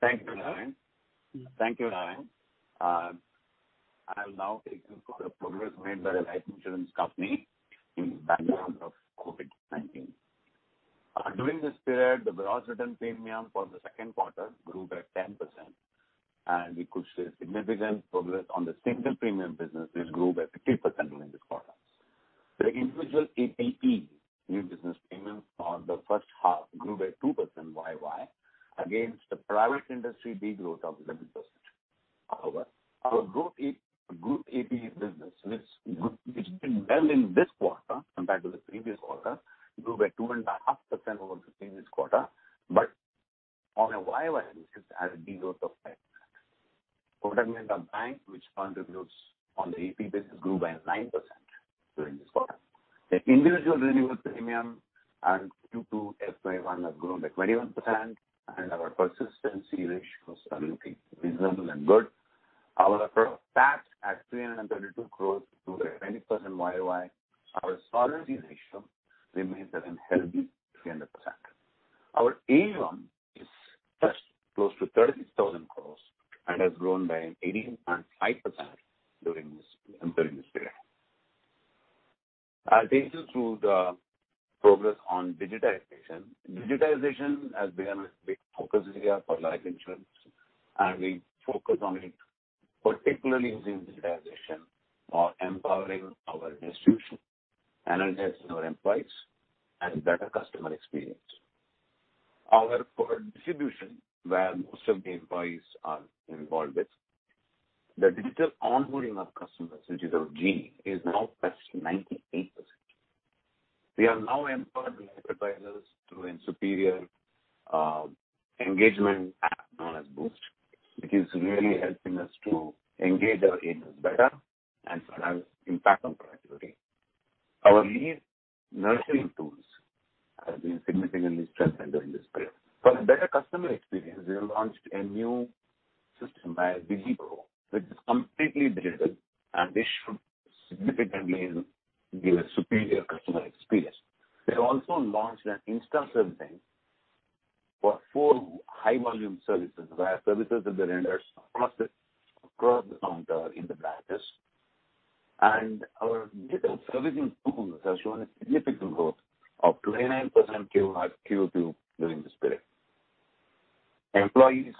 Thank you, Narayan. I'll now take you through the progress made by the life insurance company in the backdrop of COVID-19. During this period, the gross written premium for the second quarter grew by 10%, and we could see a significant progress on the single premium business, which grew by 50% during this quarter. The individual APE new business premium for the first half grew by 2% YY against the private industry but growth of 11%. However, our group APE business, which did well in this quarter compared to the previous quarter, grew by 2.5% over the previous quarter, but on a YY basis, has a de-growth of 5%. Kotak Mahindra Bank, which contributes to the APE business, grew by 9% during this quarter. The individual renewal premium and Q2 FY 2021 have grown by 21%, and our persistency ratios are looking reasonable and good. Our PBT at INR 332 crore grew at 20% YOY. Our solvency ratio remains at a healthy 300%. Our AUM is just close to 30,000 crore and has grown by an 18.5% during this, during this period. I'll take you through the progress on digitization. Digitization has been a big focus area for life insurance, and we focus on it, particularly using digitization for empowering our distribution, energizing our employees, and better customer experience. Our distribution, where most of the employees are involved with, the digital onboarding of customers is now 98%. We have now empowered life advisors through a superior engagement app known as Boost, which is really helping us to engage our agents better and have impact on productivity. Our lead nurturing tools have been significantly strengthened during this period. For a better customer experience, we have launched a new system by DigiPro, which is completely digital, and this should significantly give a superior customer experience. We have also launched an instant servicing for four high volume services, where services that are rendered, processed across the counter in the branches. Our digital servicing tools have shown a significant growth of 29% Q1, Q2 during this period. Employees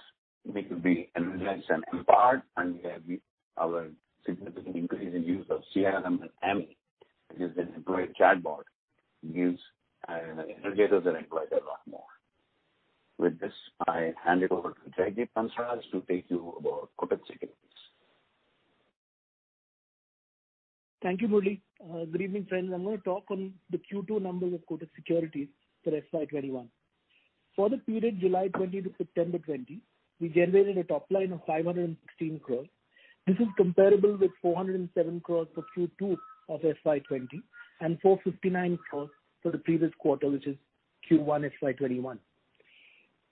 need to be energized and empowered, and we have our significant increase in use of CRM and ME, which is the employee chatbot, use and engages the employees a lot more. With this, I hand it over to Jaideep Hansraj to take you about Kotak Securities. Thank you, Murali. Good evening, friends. I'm going to talk on the Q2 numbers of Kotak Securities for FY 2021. For the period July 2020 to September 2020, we generated a top line of 516 crores. This is comparable with 407 crores for Q2 of FY 2020, and 459 crores for the previous quarter, which is Q1 FY 2021.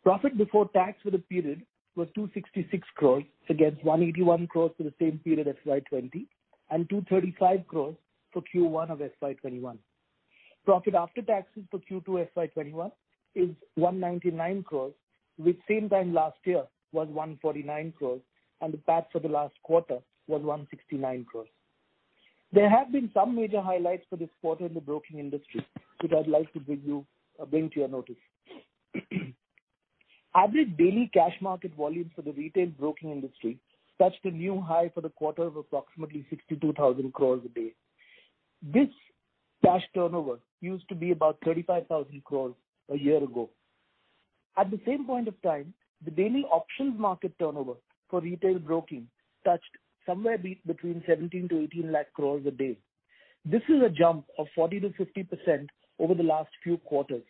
Profit before tax for the period was 266 crores against 181 crores for the same period, FY 2020, and 235 crores for Q1 of FY 2021. Profit after taxes for Q2 FY 2021 is 199 crores, which same time last year was 149 crores, and the PAT for the last quarter was 169 crores. There have been some major highlights for this quarter in the broking industry, which I'd like to bring you to your notice. Average daily cash market volume for the retail broking industry touched a new high for the quarter of approximately 62,000 crores a day. This cash turnover used to be about 35,000 crores a year ago. At the same point of time, the daily options market turnover for retail broking touched somewhere between 17-18 lakh crores a day. This is a jump of 40%-50% over the last few quarters.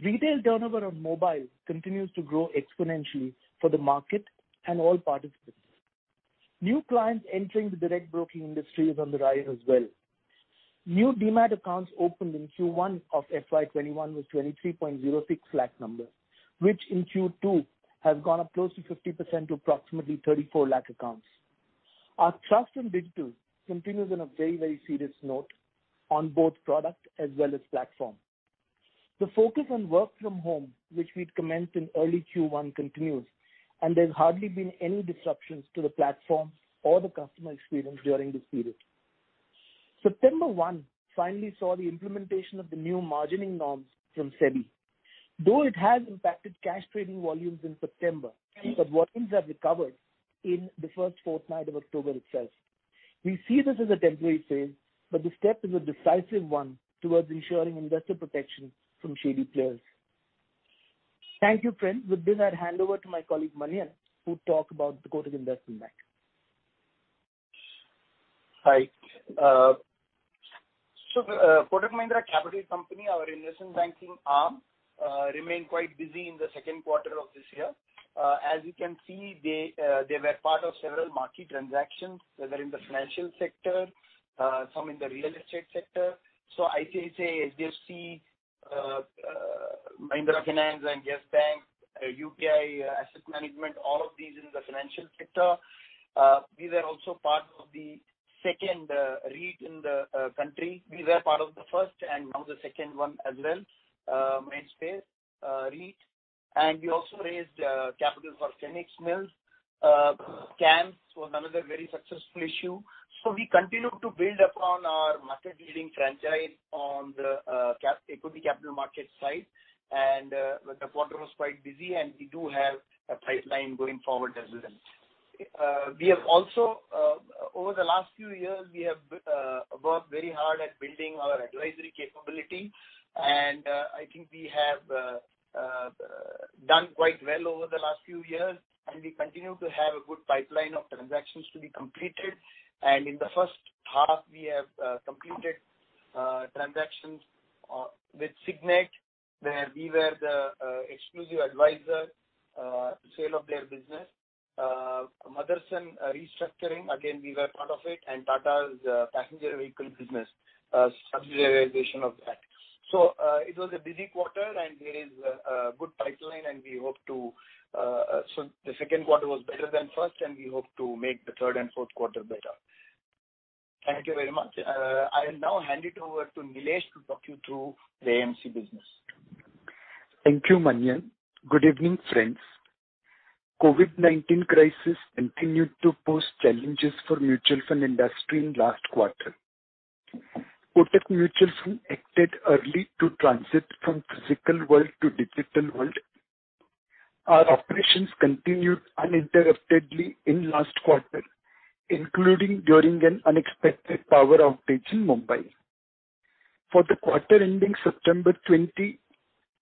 Retail turnover on mobile continues to grow exponentially for the market and all participants. New clients entering the direct broking industry is on the rise as well. New Demat accounts opened in Q1 of FY 2021 was 23.06 lakh number, which in Q2 has gone up close to 50% to approximately 34 lakh accounts. Our trust in digital continues on a very, very serious note on both product as well as platform. The focus on work from home, which we'd commenced in early Q1, continues, and there's hardly been any disruptions to the platform or the customer experience during this period. September 1 finally saw the implementation of the new margining norms from SEBI. Though it has impacted cash trading volumes in September, but volumes have recovered in the first fortnight of October itself. We see this as a temporary phase, but the step is a decisive one towards ensuring investor protection from shady players. Thank you, friends. With this, I'll hand over to my colleague, Manian, who'll talk about the Kotak Investment Bank. Hi, so the Kotak Mahindra Capital Company, our investment banking arm, remained quite busy in the second quarter of this year. As you can see, they were part of several market transactions, whether in the financial sector, some in the real estate sector. So ICICI, HDFC, Mahindra Finance and Yes Bank, UTI Asset Management, all of these in the financial sector. We were also part of the second REIT in the country. We were part of the first and now the second one as well, Mindspace REIT. And we also raised capital for Chemcon Speciality Chemicals. CAMS was another very successful issue. So we continue to build upon our market-leading franchise on the ECM, equity capital markets side. The quarter was quite busy, and we do have a pipeline going forward as well. We have also, over the last few years, worked very hard at building our advisory capability, and I think we have done quite well over the last few years, and we continue to have a good pipeline of transactions to be completed. In the first half, we have completed transactions with Signet, where we were the exclusive advisor, sale of their business. Motherson Restructuring, again, we were part of it, and Tata's passenger vehicle business, subsidiaryization of that. So, it was a busy quarter, and there is a good pipeline, and we hope to, so the second quarter was better than first, and we hope to make the third and fourth quarter better. Thank you very much. I will now hand it over to Nilesh to talk you through the AMC business. Thank you, Manian. Good evening, friends. COVID-19 crisis continued to pose challenges for mutual fund industry in last quarter. Kotak Mutual Fund acted early to transition from physical world to digital world. Our operations continued uninterruptedly in last quarter, including during an unexpected power outage in Mumbai. For the quarter ending September 2020,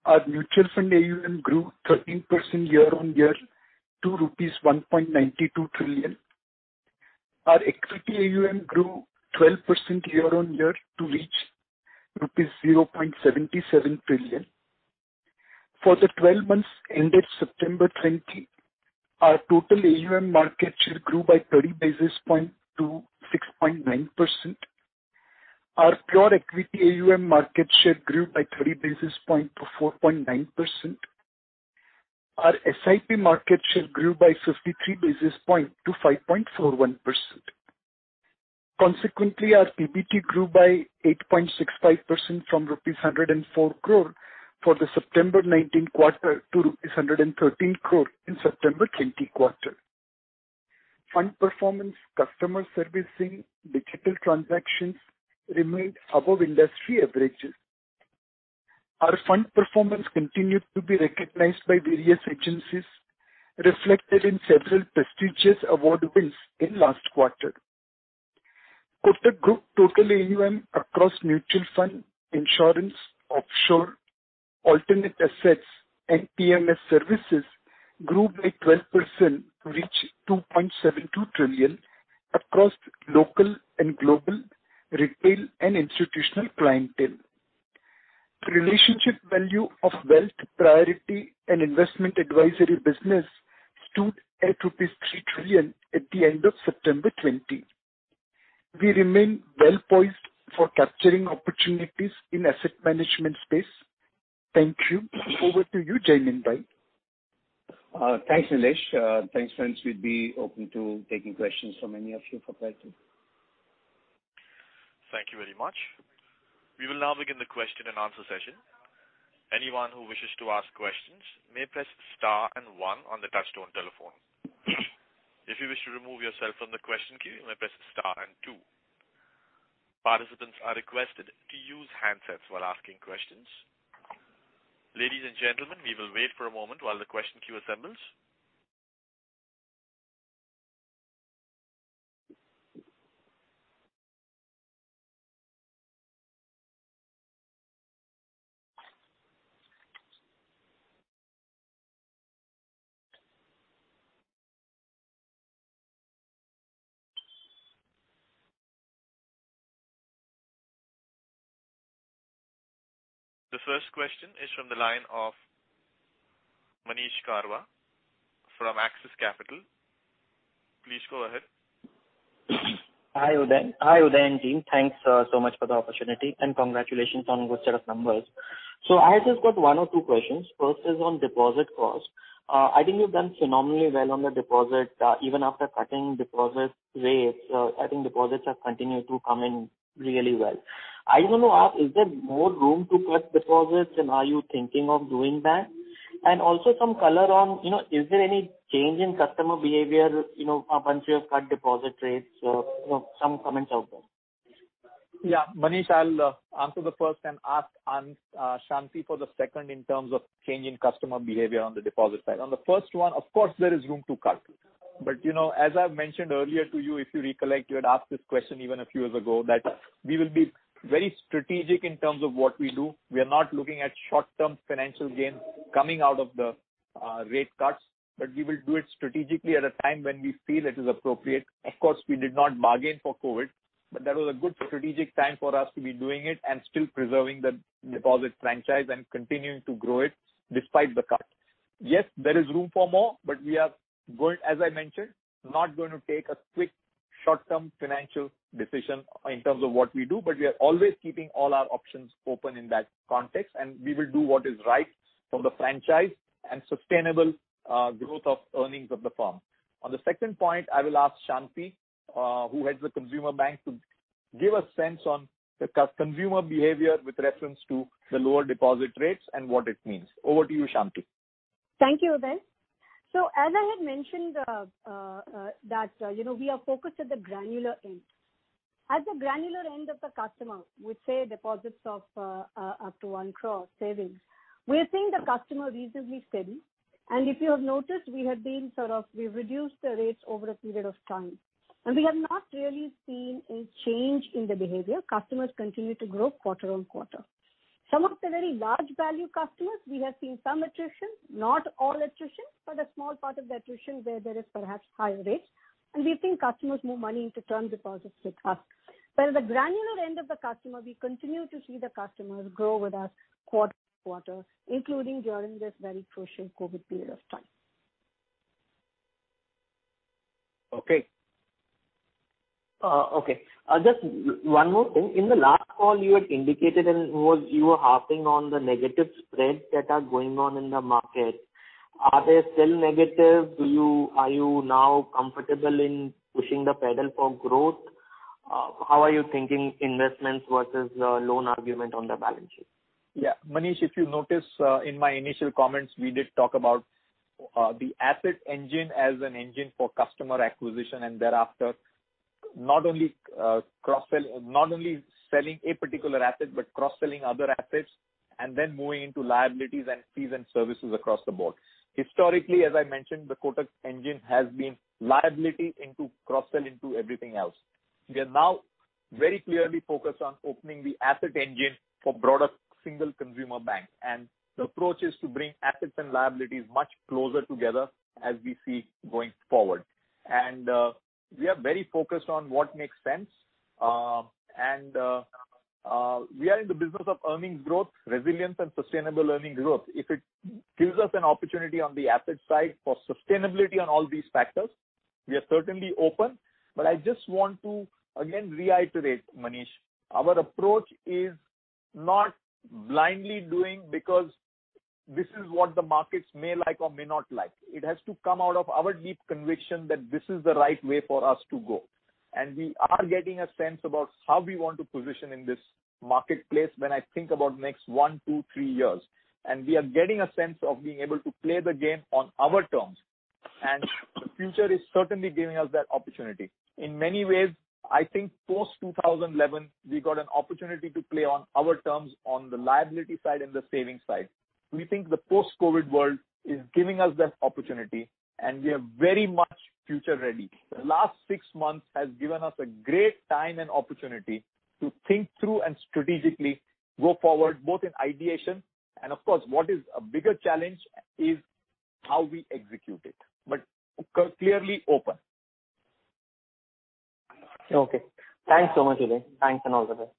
our mutual fund AUM grew 13% year-on-year to rupees 1.92 trillion. Our equity AUM grew 12% year-on-year to reach rupees 0.77 trillion. For the twelve months ended September 2020, our total AUM market share grew by 30 basis points to 6.9%. Our pure equity AUM market share grew by 30 basis points to 4.9%. Our SIP market share grew by 53 basis points to 5.41%. Consequently, our PBT grew by 8.65% from rupees 104 crore for the September 2019 quarter to rupees 113 crore in the September 2020 quarter. Fund performance, customer servicing, digital transactions remained above industry averages. Our fund performance continued to be recognized by various agencies, reflected in several prestigious award wins in last quarter. Kotak Group total AUM across mutual fund, insurance, offshore, alternate assets and PMS services grew by 12% to reach 2.72 trillion across local and global, retail and institutional clientele. The relationship value of wealth, priority and investment advisory business stood at rupees 3 trillion at the end of September 2020. We remain well-poised for capturing opportunities in asset management space. Thank you. Over to you, Jaimin Bhatt. Thanks, Nilesh. Thanks, friends. We'd be open to taking questions from any of you for today. Thank you very much. We will now begin the question and answer session. Anyone who wishes to ask questions may press star and one on the touchtone telephone... To move yourself from the question queue, you may press star and two. Participants are requested to use handsets while asking questions. Ladies and gentlemen, we will wait for a moment while the question queue assembles. The first question is from the line of Manish Karwa from Axis Capital. Please go ahead. Hi, Uday. Hi, Uday and team. Thanks, so much for the opportunity, and congratulations on good set of numbers. So I've just got one or two questions. First is on deposit cost. I think you've done phenomenally well on the deposit, even after cutting deposit rates, I think deposits have continued to come in really well. I want to ask, is there more room to cut deposits, and are you thinking of doing that? And also some color on, you know, is there any change in customer behavior, you know, once you have cut deposit rates? So, you know, some comments out there. Yeah, Manish, I'll answer the first and ask Shanti for the second in terms of change in customer behavior on the deposit side. On the first one, of course, there is room to cut. But, you know, as I've mentioned earlier to you, if you recollect, you had asked this question even a few years ago, that we will be very strategic in terms of what we do. We are not looking at short-term financial gains coming out of the rate cuts, but we will do it strategically at a time when we feel it is appropriate. Of course, we did not bargain for COVID, but that was a good strategic time for us to be doing it and still preserving the deposit franchise and continuing to grow it despite the cut. Yes, there is room for more, but we are going, as I mentioned, not going to take a quick, short-term financial decision in terms of what we do, but we are always keeping all our options open in that context, and we will do what is right for the franchise and sustainable growth of earnings of the firm. On the second point, I will ask Shanti, who heads the consumer bank, to give a sense on the consumer behavior with reference to the lower deposit rates and what it means. Over to you, Shanti. Thank you, Uday. So as I had mentioned, that, you know, we are focused at the granular end. At the granular end of the customer, we say deposits of up to one crore savings. We are seeing the customer reasonably steady, and if you have noticed, we have been sort of, we've reduced the rates over a period of time, and we have not really seen a change in the behavior. Customers continue to grow quarter on quarter. Some of the very large value customers, we have seen some attrition, not all attrition, but a small part of the attrition where there is perhaps higher rates, and we think customers move money into term deposits with us. But at the granular end of the customer, we continue to see the customers grow with us quarter on quarter, including during this very crucial COVID period of time. Okay. Okay. Just one more thing. In the last call you had indicated and was, you were harping on the negative spreads that are going on in the market. Are they still negative? Are you now comfortable in pushing the pedal for growth? How are you thinking investments versus, loan argument on the balance sheet? Yeah. Manish, if you notice, in my initial comments, we did talk about the asset engine as an engine for customer acquisition, and thereafter, not only cross-sell, not only selling a particular asset, but cross-selling other assets, and then moving into liabilities and fees and services across the board. Historically, as I mentioned, the Kotak engine has been liability into cross-sell into everything else. We are now very clearly focused on opening the asset engine for broader single consumer bank, and the approach is to bring assets and liabilities much closer together as we see going forward, and we are very focused on what makes sense, and we are in the business of earnings growth, resilience, and sustainable earnings growth. If it gives us an opportunity on the asset side for sustainability on all these factors, we are certainly open. But I just want to again reiterate, Manish, our approach is not blindly doing because this is what the markets may like or may not like. It has to come out of our deep conviction that this is the right way for us to go. And we are getting a sense about how we want to position in this marketplace when I think about next one, two, three years. And we are getting a sense of being able to play the game on our terms, and the future is certainly giving us that opportunity. In many ways, I think post-2011, we got an opportunity to play on our terms on the liability side and the savings side. We think the post-COVID world is giving us that opportunity, and we are very much future-ready. The last six months has given us a great time and opportunity to think through and strategically go forward, both in ideation, and of course, what is a bigger challenge is how we execute it, but clearly open. Okay. Thanks so much, Uday. Thanks and all the best.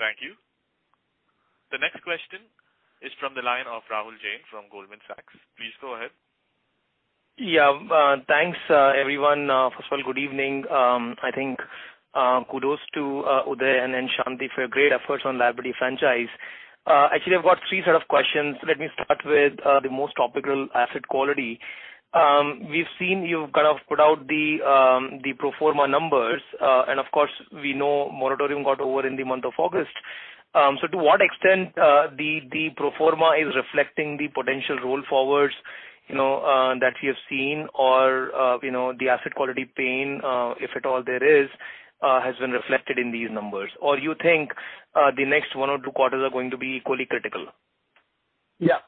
Thank you. The next question is from the line of Rahul Jain from Goldman Sachs. Please go ahead. Yeah. Thanks, everyone. First of all, good evening. I think, kudos to Uday and Shanti for your great efforts on liability franchise. Actually, I've got three set of questions. Let me start with the most topical, asset quality. We've seen you've kind of put out the pro forma numbers, and, of course, we know moratorium got over in the month of August. So to what extent the pro forma is reflecting the potential roll forwards, you know, that we have seen or, you know, the asset quality pain, if at all there is, has been reflected in these numbers? Or you think the next one or two quarters are going to be equally critical? Yeah.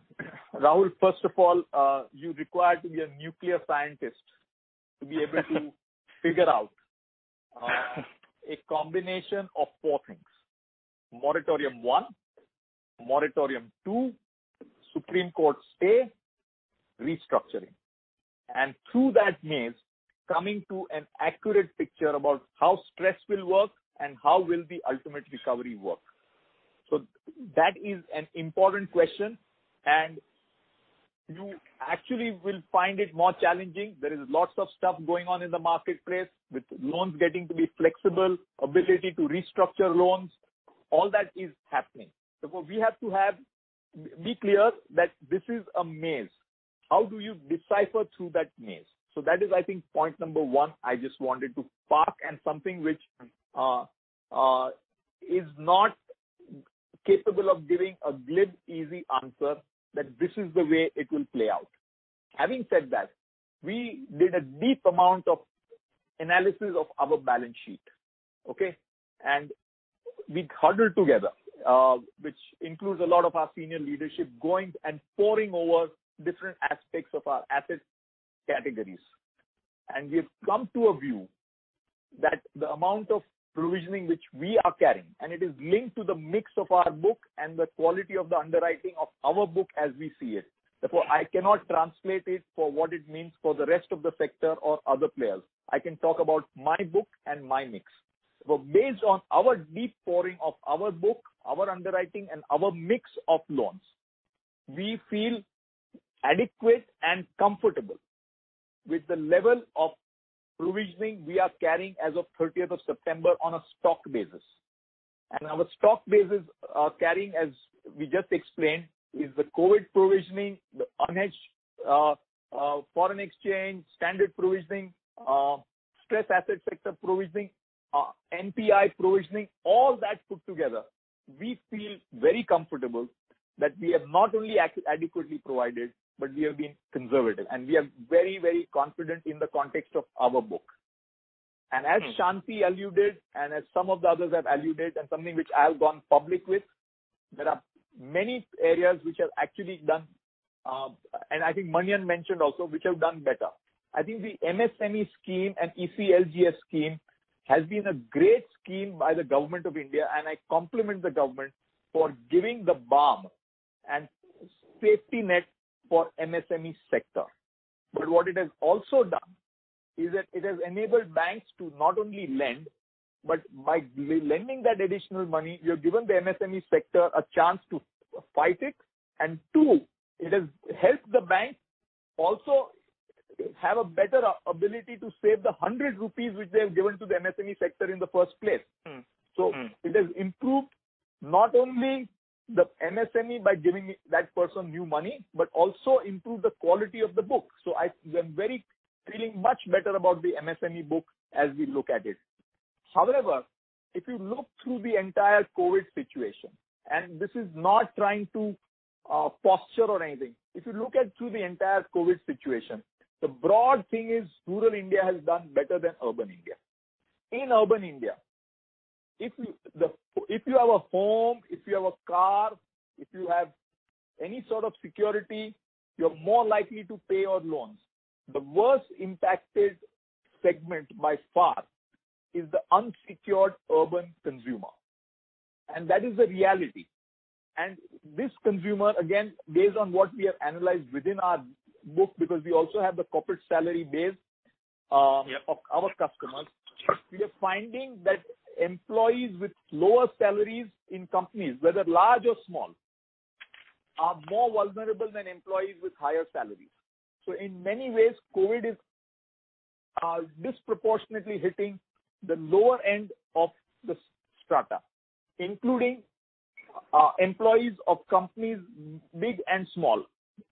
Rahul, first of all, you require to be a nuclear scientist to be able to figure out a combination of four things: moratorium one, moratorium two, Supreme Court stay, restructuring. And through that maze, coming to an accurate picture about how stress will work and how will the ultimate recovery work. So that is an important question, and you actually will find it more challenging. There is lots of stuff going on in the marketplace, with loans getting to be flexible, ability to restructure loans, all that is happening. Therefore, we have to be clear that this is a maze. How do you decipher through that maze? So that is, I think, point number one, I just wanted to park and something which is not capable of giving a glib, easy answer that this is the way it will play out. Having said that, we did a deep amount of analysis of our balance sheet, okay? And we huddled together, which includes a lot of our senior leadership going and poring over different aspects of our asset categories. And we've come to a view that the amount of provisioning which we are carrying, and it is linked to the mix of our book and the quality of the underwriting of our book as we see it. Therefore, I cannot translate it for what it means for the rest of the sector or other players. I can talk about my book and my mix. So based on our deep poring of our book, our underwriting, and our mix of loans, we feel adequate and comfortable with the level of provisioning we are carrying as of 13 September on a stock basis. Our stock basis carrying, as we just explained, is the COVID provisioning, the unhedged foreign exchange, standard provisioning, stressed asset sector provisioning, NPA provisioning, all that put together. We feel very comfortable that we have not only adequately provided, but we have been conservative, and we are very, very confident in the context of our book. As Shanti alluded, and as some of the others have alluded, and something which I have gone public with, there are many areas which have actually done, and I think Manian mentioned also, which have done better. I think the MSME scheme and ECLGS scheme has been a great scheme by the Government of India, and I compliment the government for giving the balm and safety net for MSME sector. But what it has also done is that it has enabled banks to not only lend, but by lending that additional money, we have given the MSME sector a chance to fight it, and two, it has helped the bank also have a better ability to save the 100 rupees which they have given to the MSME sector in the first place. So it has improved not only the MSME by giving that person new money, but also improved the quality of the book. So we are very feeling much better about the MSME book as we look at it. However, if you look through the entire COVID situation, and this is not trying to, posture or anything, if you look at through the entire COVID situation, the broad thing is rural India has done better than urban India. In urban India, if you, if you have a home, if you have a car, if you have any sort of security, you're more likely to pay your loans. The worst impacted segment by far is the unsecured urban consumer, and that is the reality. And this consumer, again, based on what we have analyzed within our book, because we also have the corporate salary base, of our customers, we are finding that employees with lower salaries in companies, whether large or small, are more vulnerable than employees with higher salaries. So in many ways, COVID is disproportionately hitting the lower end of the strata, including employees of companies, big and small.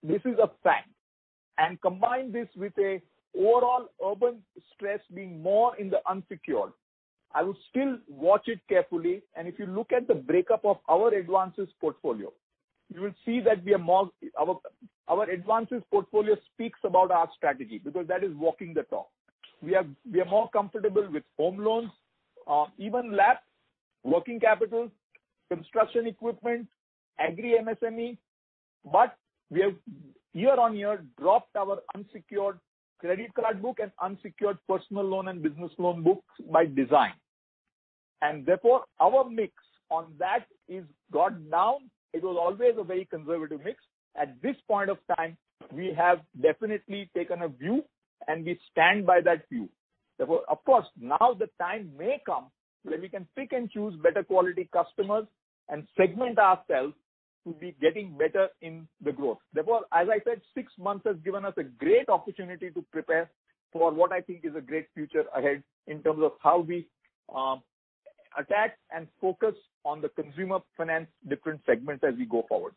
This is a fact. And combine this with a overall urban stress being more in the unsecured, I would still watch it carefully, and if you look at the break-up of our advances portfolio, you will see that our advances portfolio speaks about our strategy, because that is walking the talk. We are more comfortable with home loans, even LAPs, working capital, construction equipment, agri MSME, but we have year-on-year dropped our unsecured credit card book and unsecured personal loan and business loan books by design. And therefore, our mix on that is brought down. It was always a very conservative mix. At this point of time, we have definitely taken a view, and we stand by that view. Therefore, of course, now the time may come where we can pick and choose better quality customers and segment ourselves to be getting better in the growth. Therefore, as I said, six months has given us a great opportunity to prepare for what I think is a great future ahead in terms of how we attack and focus on the consumer finance different segments as we go forward.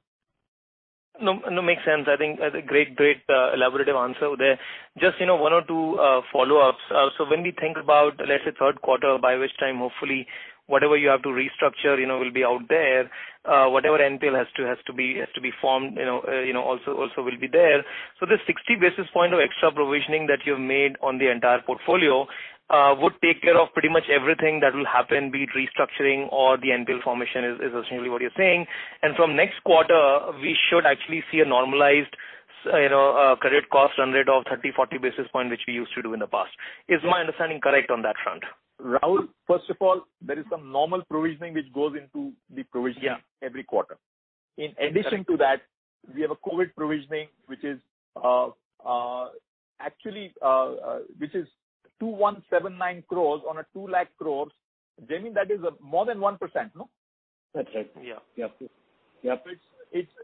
No, no, makes sense. I think that's a great, great, elaborative answer there. Just, you know, one or two follow-ups. So when we think about, let's say, third quarter, by which time hopefully whatever you have to restructure, you know, will be out there, whatever NPL has to be formed, you know, also will be there. So the 60 basis point of extra provisioning that you've made on the entire portfolio would take care of pretty much everything that will happen, be it restructuring or the NPL formation, is essentially what you're saying. And from next quarter, we should actually see a normalized, you know, credit cost run rate of 30-40 basis points, which we used to do in the past. Is my understanding correct on that front? Rahul, first of all, there is some normal provisioning which goes into the provisioning every quarter. In addition to that, we have a COVID provisioning, which is actually which is 2179 crores on a 2 lakh crores. Jaimin, that is more than 1%, no? That's right. Yeah. Yep. Yep.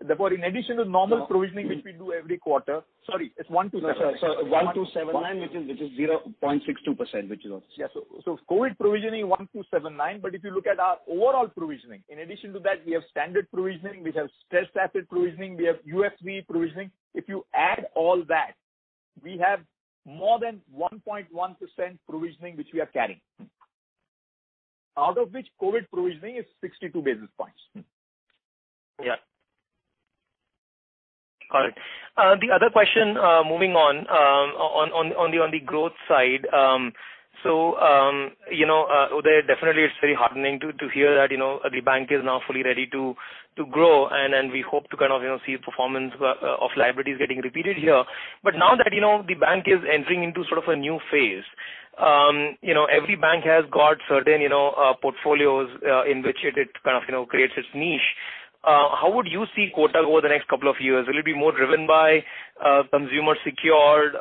Therefore, in addition to normal provisioning which we do every quarter. Sorry, it's 1279Sorry, so 1,279, which is 0.62%, which is also. Yeah. So COVID provisioning, 1,279, but if you look at our overall provisioning, in addition to that, we have standard provisioning, we have stress asset provisioning, we have UFCE provisioning. If you add all that, we have more than 1.1% provisioning which we are carrying. Out of which, COVID provisioning is 62 basis points. Yeah. All right. The other question, moving on, on the growth side. So, you know, Uday, definitely it's very heartening to hear that, you know, the bank is now fully ready to grow, and we hope to kind of, you know, see performance of liabilities getting repeated here. But now that, you know, the bank is entering into sort of a new phase, you know, every bank has got certain, you know, portfolios in which it kind of, you know, creates its niche. How would you see Kotak over the next couple of years? Will it be more driven by consumer secured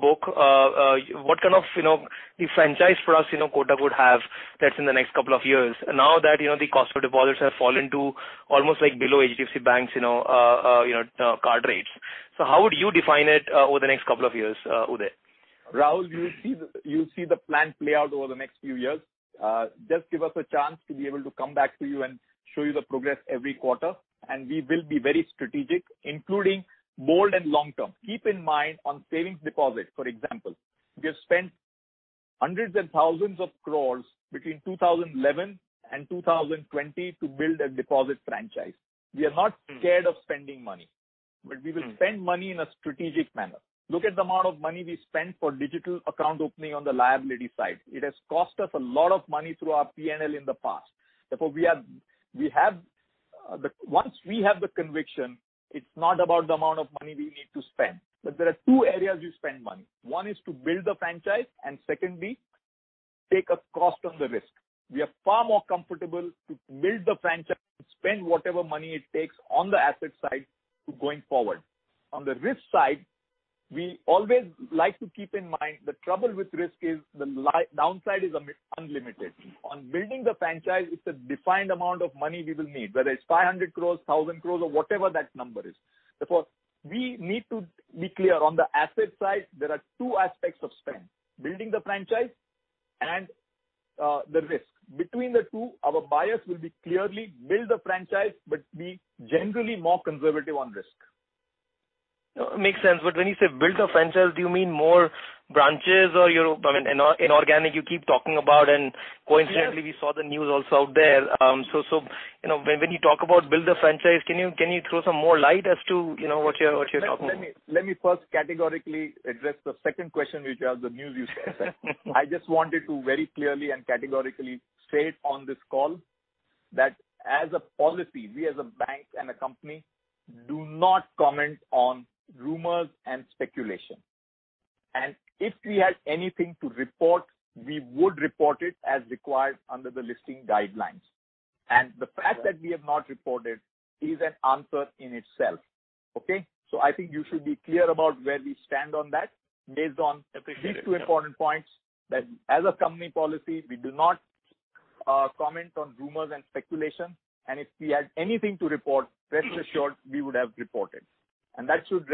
book? What kind of, you know, the franchise for us, you know, Kotak would have that's in the next couple of years, now that, you know, the cost of deposits have fallen to almost, like, below HDFC Bank's, you know, card rates. So how would you define it over the next couple of years, Uday? Rahul, you'll see the plan play out over the next few years. Just give us a chance to be able to come back to you and show you the progress every quarter, and we will be very strategic, including bold and long-term. Keep in mind, on savings deposits, for example, we have spent hundreds and thousands of crores between 2011 and 2020 to build a deposit franchise. We are not scared of spending money. But we will spend money in a strategic manner. Look at the amount of money we spent for digital account opening on the liability side. It has cost us a lot of money through our PNL in the past. Therefore, we have the conviction. It's not about the amount of money we need to spend. But there are two areas we spend money. One is to build the franchise and secondly, take a cost on the risk. We are far more comfortable to build the franchise, spend whatever money it takes on the asset side going forward. On the risk side, we always like to keep in mind, the trouble with risk is the liability downside is unlimited. On building the franchise, it's a defined amount of money we will need, whether it's 500 crores, 1,000 crores, or whatever that number is. Therefore, we need to be clear, on the asset side, there are two aspects of spend: building the franchise and the risk. Between the two, our bias will be clearly build the franchise, but be generally more conservative on risk. Makes sense. But when you say build the franchise, do you mean more branches or, you know, I mean, inorganic, you keep talking about, and coincidentally we saw the news also out there. So, you know, when you talk about build the franchise, can you throw some more light as to, you know, what you're talking about? Let me first categorically address the second question, which are the news you said. I just wanted to very clearly and categorically state on this call that as a policy, we as a bank and a company do not comment on rumors and speculation. And if we had anything to report, we would report it as required under the listing guidelines. And the fact that we have not reported is an answer in itself, okay? So I think you should be clear about where we stand on that based on these two important points, that as a company policy, we do not comment on rumors and speculation, and if we had anything to report, rest assured we would have reported. And that should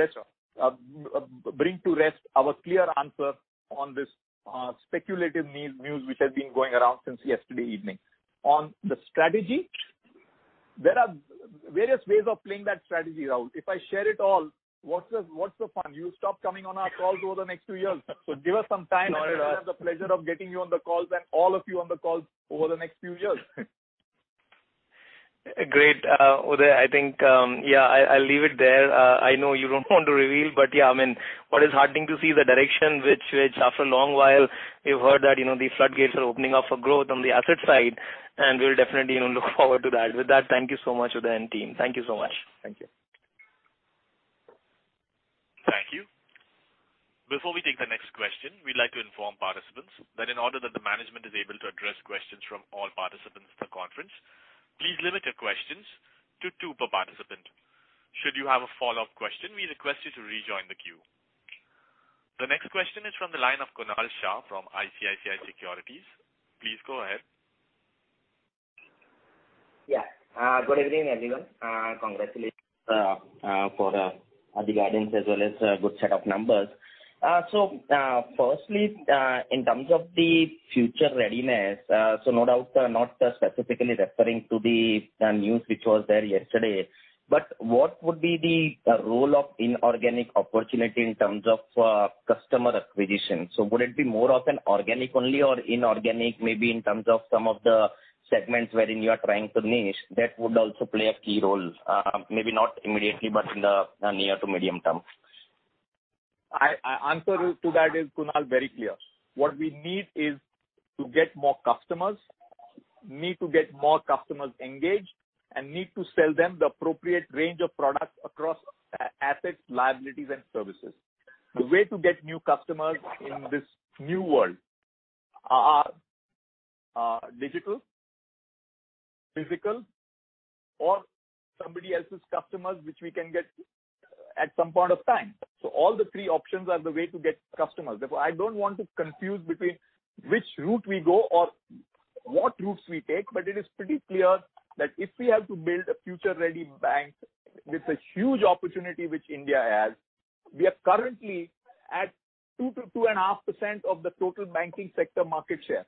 bring to rest our clear answer on this speculative news which has been going around since yesterday evening. On the strategy, there are various ways of playing that strategy out. If I share it all, what's the fun? You stop coming on our calls over the next two years. So give us some time. To have the pleasure of getting you on the calls and all of you on the calls over the next few years. Great. Uday, I think, yeah, I'll leave it there. I know you don't want to reveal, but yeah, I mean, what is heartening to see the direction which after a long while, we've heard that, you know, the floodgates are opening up for growth on the asset side, and we'll definitely, you know, look forward to that. With that, thank you so much, Uday and team. Thank you so much. Thank you. Thank you. Before we take the next question, we'd like to inform participants that in order that the management is able to address questions from all participants of the conference, please limit your questions to two per participant. Should you have a follow-up question, we request you to rejoin the queue. The next question is from the line of Kunal Shah from ICICI Securities. Please go ahead. Yeah. Good evening, everyone. Congratulations for the guidance as well as a good set of numbers. So, firstly, in terms of the future readiness, so no doubt, not specifically referring to the news which was there yesterday, but what would be the role of inorganic opportunity in terms of customer acquisition? So would it be more of an organic only or inorganic, maybe in terms of some of the segments wherein you are trying to niche, that would also play a key role? Maybe not immediately, but in the near to medium term. I answer to that is, Kunal, very clear. What we need is to get more customers, need to get more customers engaged, and need to sell them the appropriate range of products across assets, liabilities and services. The way to get new customers in this new world are digital, physical, or somebody else's customers, which we can get at some point of time. So all the three options are the way to get customers. Therefore, I don't want to confuse between which route we go or what routes we take, but it is pretty clear that if we have to build a future-ready bank with the huge opportunity which India has, we are currently at 2%-2.5% of the total banking sector market share.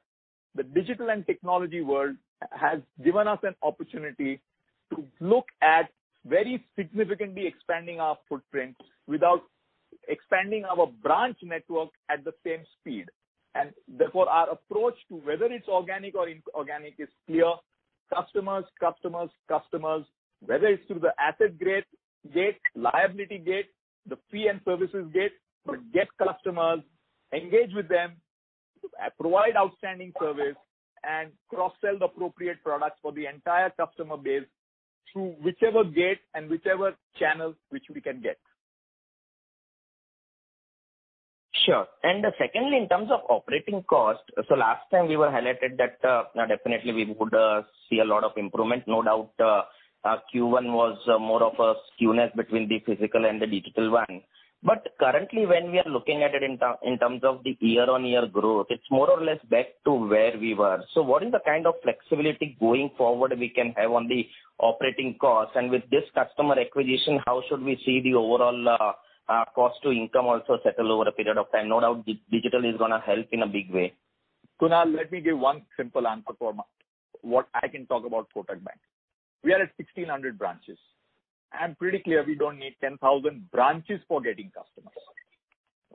The digital and technology world has given us an opportunity to look at very significantly expanding our footprint without expanding our branch network at the same speed. And therefore, our approach to whether it's organic or inorganic is clear: customers, customers, customers. Whether it's through the asset gateway, liability gateway, the fee and services gateway, but get customers, engage with them, provide outstanding service, and cross-sell the appropriate products for the entire customer base through whichever gate and whichever channel which we can get. Sure. And secondly, in terms of operating cost, so last time we were highlighted that, definitely we would see a lot of improvement. No doubt, our Q1 was more of a skewness between the physical and the digital one. But currently, when we are looking at it in terms of the year-on-year growth, it's more or less back to where we were. So what is the kind of flexibility going forward we can have on the operating cost? And with this customer acquisition, how should we see the overall, cost to income also settle over a period of time? No doubt, digital is gonna help in a big way. Kunal, let me give one simple answer for my, what I can talk about Kotak Bank. We are at sixteen hundred branches. I'm pretty clear we don't need 10,000 branches for getting customers,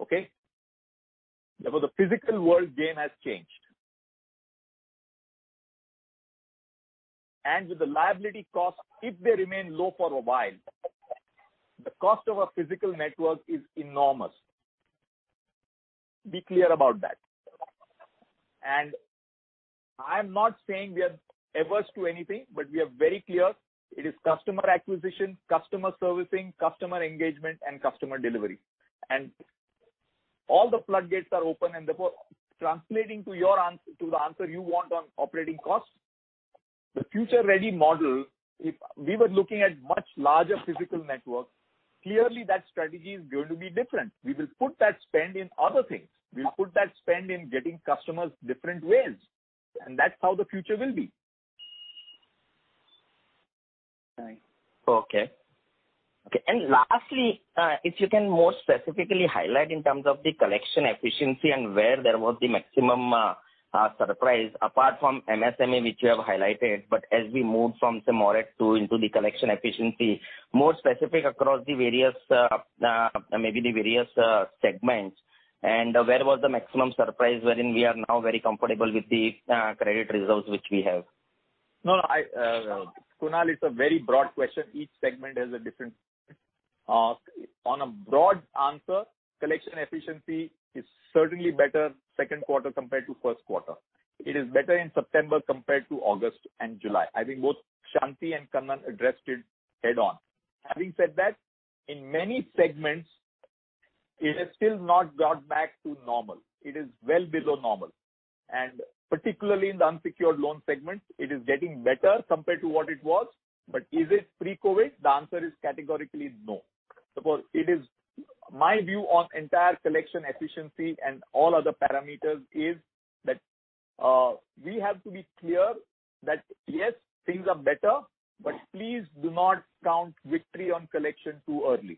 okay? Therefore, the physical world game has changed and with the liability costs, if they remain low for a while, the cost of a physical network is enormous. Be clear about that and I'm not saying we are averse to anything, but we are very clear it is customer acquisition, customer servicing, customer engagement, and customer delivery. And all the floodgates are open and therefore, translating to your answer, to the answer you want on operating costs, the future-ready model, if we were looking at much larger physical network, clearly that strategy is going to be different. We will put that spend in other things. We'll put that spend in getting customers different ways, and that's how the future will be. Right. Okay, and lastly, if you can more specifically highlight in terms of the collection efficiency and where there was the maximum surprise, apart from MSME, which you have highlighted, but as we move from some more into the collection efficiency, more specific across the various, maybe the various segments, and where was the maximum surprise wherein we are now very comfortable with the credit results which we have? No, no, Kunal, it's a very broad question. Each segment has a different. On a broad answer, collection efficiency is certainly better second quarter compared to first quarter. It is better in September compared to August and July. I think both Shanti and Kannan addressed it head-on. Having said that, in many segments it has still not got back to normal. It is well below normal, and particularly in the unsecured loan segment, it is getting better compared to what it was. But is it pre-COVID? The answer is categorically no. So, it is my view on entire collection efficiency and all other parameters is that, we have to be clear that, yes, things are better, but please do not count victory on collection too early.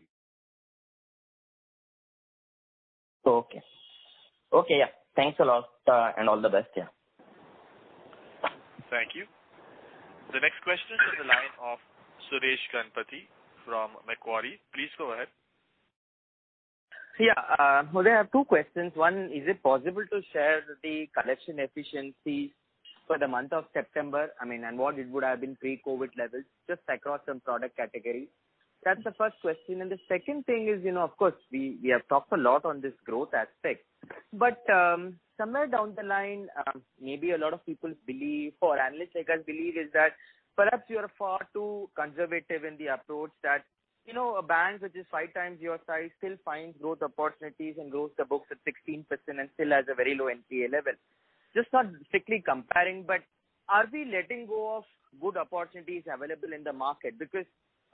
Okay. Okay, yeah. Thanks a lot, and all the best. Yeah. Thank you. The next question is in the line of Suresh Ganapathi from Macquarie. Please go ahead. Yeah, I have two questions. One, is it possible to share the collection efficiency for the month of September? I mean, and what it would have been pre-COVID levels, just across some product categories. That's the first question. And the second thing is, you know, of course, we have talked a lot on this growth aspect, but somewhere down the line, maybe a lot of people believe or analyst like us believe, is that perhaps you are far too conservative in the approach that, you know, a bank which is five times your size still finds growth opportunities and grows the books at 16% and still has a very low NPA level. Just not strictly comparing, but are we letting go of good opportunities available in the market? Because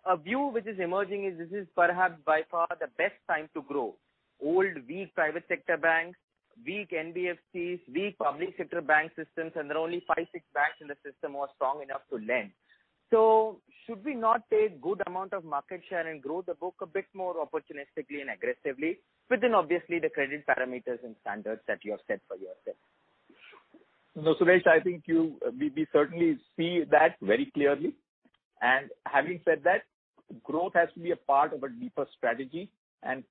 a view which is emerging is this is perhaps by far the best time to grow old, weak private sector banks, weak NBFCs, weak public sector bank systems, and there are only five, six banks in the system who are strong enough to lend. So should we not take good amount of market share and grow the book a bit more opportunistically and aggressively, within obviously, the credit parameters and standards that you have set for yourself? No, Suresh, I think we, we certainly see that very clearly, and having said that, growth has to be a part of a deeper strategy and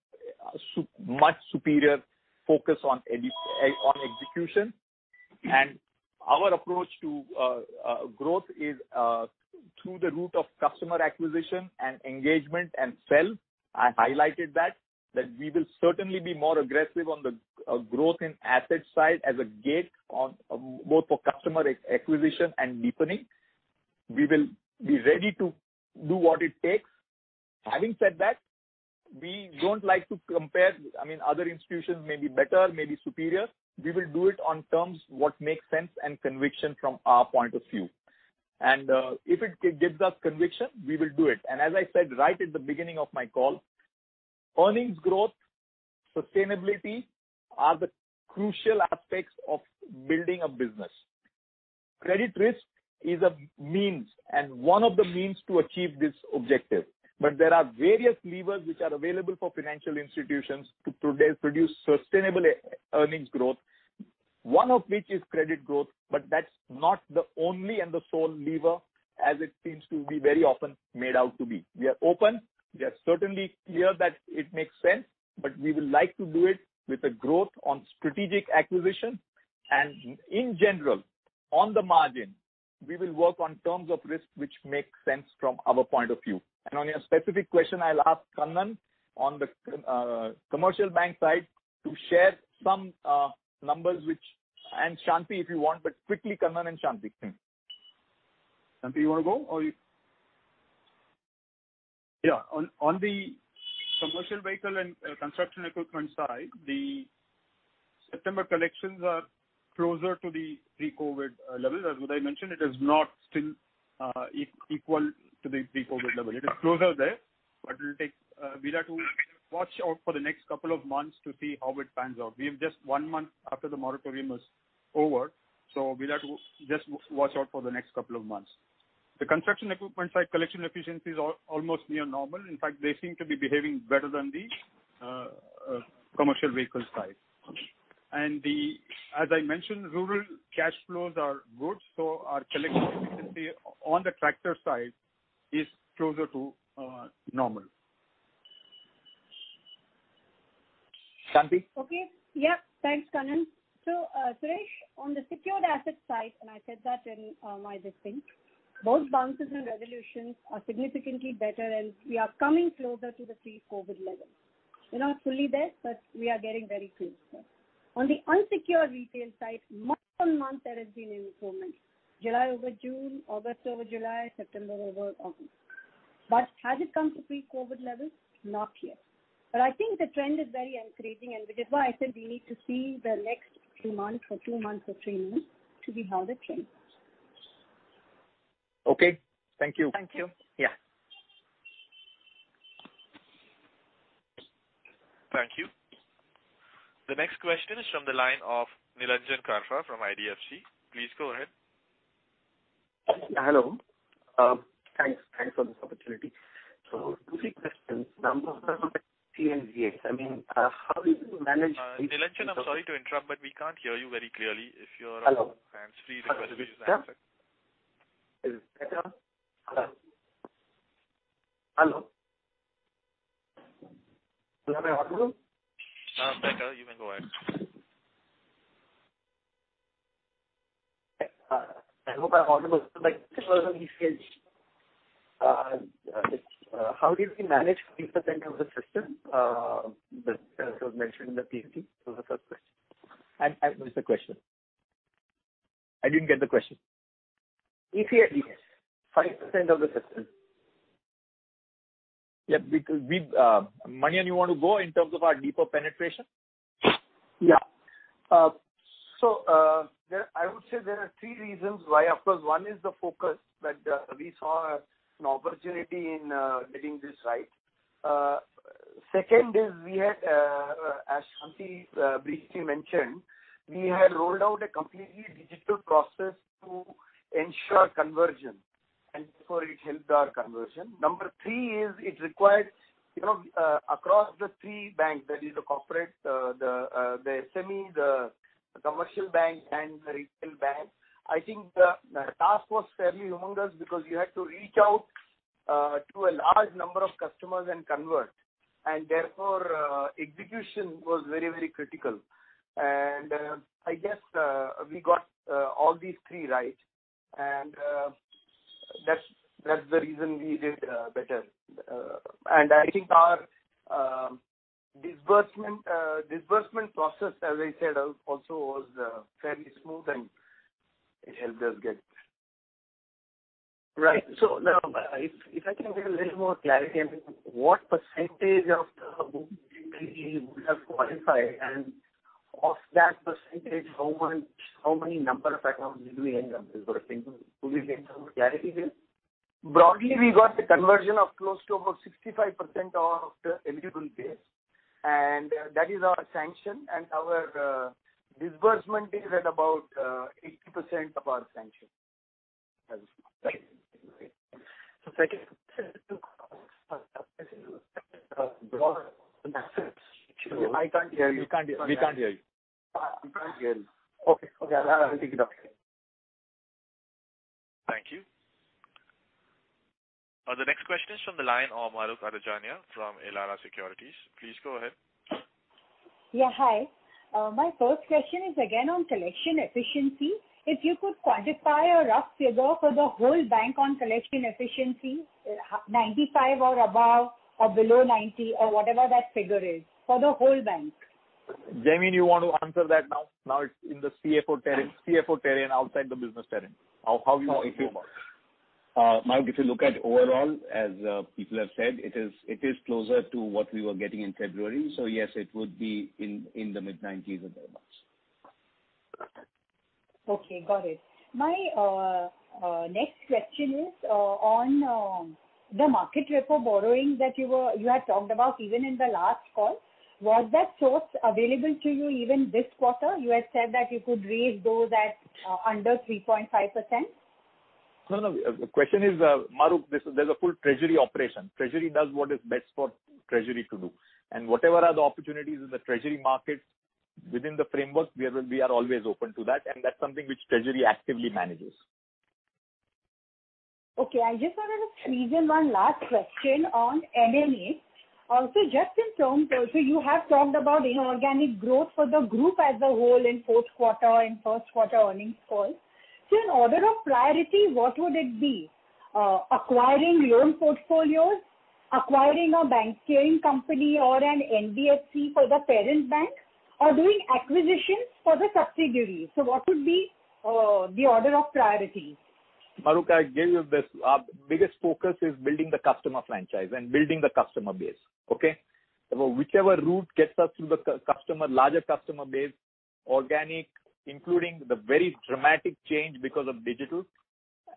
much superior focus on execution, and our approach to growth is through the route of customer acquisition and engagement and sell. I highlighted that we will certainly be more aggressive on the growth and asset side as a gate on both for customer acquisition and deepening. We will be ready to do what it takes. Having said that, we don't like to compare. I mean, other institutions may be better, may be superior. We will do it on terms what makes sense and conviction from our point of view, and if it gives us conviction, we will do it. And as I said right at the beginning of my call, earnings growth, sustainability, are the crucial aspects of building a business. Credit risk is a means and one of the means to achieve this objective, but there are various levers which are available for financial institutions to produce sustainable earnings growth, one of which is credit growth, but that's not the only and the sole lever, as it seems to be very often made out to be. We are open, we are certainly clear that it makes sense, but we will like to do it with a growth on strategic acquisition. And in general, on the margin, we will work on terms of risk, which make sense from our point of view. And on your specific question, I'll ask Kannan on the commercial bank side to share some numbers which... And Shanti, if you want, but quickly, Kannan and Shanti. Shanti, you want to go, or you? Yeah. On the commercial vehicle and construction equipment side, the September collections are closer to the pre-COVID level. As Uday mentioned, it is not still equal to the pre-COVID level. It is closer there, but it'll take, we have to watch out for the next couple of months to see how it pans out. We have just one month after the moratorium is over, so we have to just watch out for the next couple of months. The construction equipment side collection efficiency is almost near normal. In fact, they seem to be behaving better than the commercial vehicle side. And as I mentioned, rural cash flows are good, so our collection efficiency on the tractor side is closer to normal. Shanti? Okay. Yeah, thanks, Kannan. So, Suresh, on the secured asset side, and I said that in my opening, both bounces and resolutions are significantly better, and we are coming closer to the pre-COVID level. We're not fully there, but we are getting very close. On the unsecured retail side, month on month, there has been improvement. July over June, August over July, September over August. But has it come to pre-COVID levels? Not yet. But I think the trend is very encouraging, and that is why I said we need to see the next two months or two months or three months to see how the trend. Okay. Thank you. Thank you. Yeah. Thank you. The next question is from the line of Nilanjan Karfa from IDFC. Please go ahead. Hello. Thanks for this opportunity. So two, three questions. Number one, I mean, how do you manage- Nilanjan, I'm sorry to interrupt, but we can't hear you very clearly. If you're- Hello. Please repeat the question. Is it better now? Hello? Hello. Am I audible? Better. You can go ahead. I hope I'm audible. Like, how do you manage 5% of the system, that was mentioned in the PPT? So the first question. What's the question? I didn't get the question. CASA at this 5% of the system. Yeah, because we, Manian, you want to go in terms of our deeper penetration? Yeah. So, there, I would say there are three reasons why. Of course, one is the focus, that, we saw an opportunity in, getting this right. Second is we had, as Shanti, briefly mentioned, we had rolled out a completely digital process to ensure conversion, and so it helped our conversion. Number three is, it requires, you know, across the three banks, that is the corporate, the, the SME, the commercial bank and the retail bank, I think the task was fairly humongous because you had to reach out, to a large number of customers and convert. And therefore, execution was very, very critical. And, I guess, we got, all these three right, and, that's, that's the reason we did, better. And I think our disbursement process, as I said, also was fairly smooth and it helped us get. Right. So now, if I can get a little more clarity on what percentage of the group would have qualified, and of that percentage, how much, how many number of accounts did we end up disbursing? Could we get some clarity there? Broadly, we got the conversion of close to about 65% of the eligible base, and that is our sanction, and our disbursement is at about 80% of our sanction. Second, I can't hear you. We can't hear? We can't hear you. We can't hear you. Okay, I'll take it up. Thank you. The next question is from the line of Mahrukh Adajania from Elara Securities. Please go ahead. Yeah, hi. My first question is again on collection efficiency. If you could quantify a rough figure for the whole bank on collection efficiency, ninety-five or above or below ninety, or whatever that figure is, for the whole bank? Jaimin, you want to answer that now? Now it's in the CFO terrain. CFO terrain, outside the business terrain. How you want to go about it? Mahrukh, if you look at overall, as people have said, it is closer to what we were getting in February. So yes, it would be in the mid-nineties or thereabouts. Okay, got it. My next question is on the market repo borrowing that you were, you had talked about even in the last call. Was that source available to you even this quarter? You had said that you could raise those at under 3.5%. No, no, the question is, Mahrukh, this is, there's a full treasury operation. Treasury does what is best for treasury to do, and whatever are the opportunities in the treasury market within the framework, we are always open to that, and that's something which Treasury actively manages. Okay, I just wanted to squeeze in one last question on MMA. Also, just in terms, so you have talked about inorganic growth for the group as a whole in fourth quarter and first quarter earnings call. So in order of priority, what would it be? Acquiring loan portfolios, acquiring a bank-holding company or an NBFC for the parent bank, or doing acquisitions for the subsidiary? So what would be the order of priority? Mahrukh, I give you this. Our biggest focus is building the customer franchise and building the customer base. Okay? Whichever route gets us to the customer, larger customer base, organic, including the very dramatic change because of digital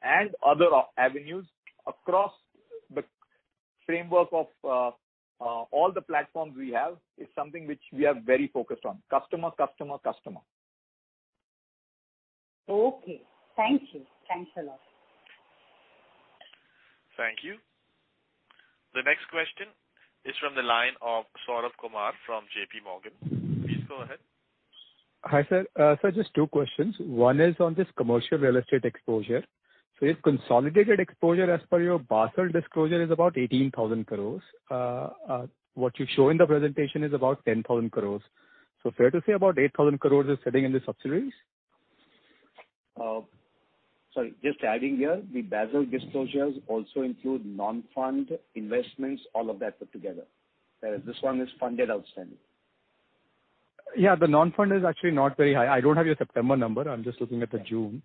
and other avenues across the framework of all the platforms we have, is something which we are very focused on. Customer, customer, customer. Okay. Thank you. Thanks a lot. Thank you. The next question is from the line of Saurabh Kumar from JP Morgan. Please go ahead. Hi, sir. Sir, just two questions. One is on this commercial real estate exposure. So your consolidated exposure as per your Basel disclosure is about 18,000 crores. What you show in the presentation is about 10,000 crores. So fair to say about 8,000 crores is sitting in the subsidiaries? Sorry, just adding here, the Basel disclosures also include non-fund investments, all of that put together. This one is funded outstanding. Yeah, the non-fund is actually not very high. I don't have your September number. I'm just looking at the June.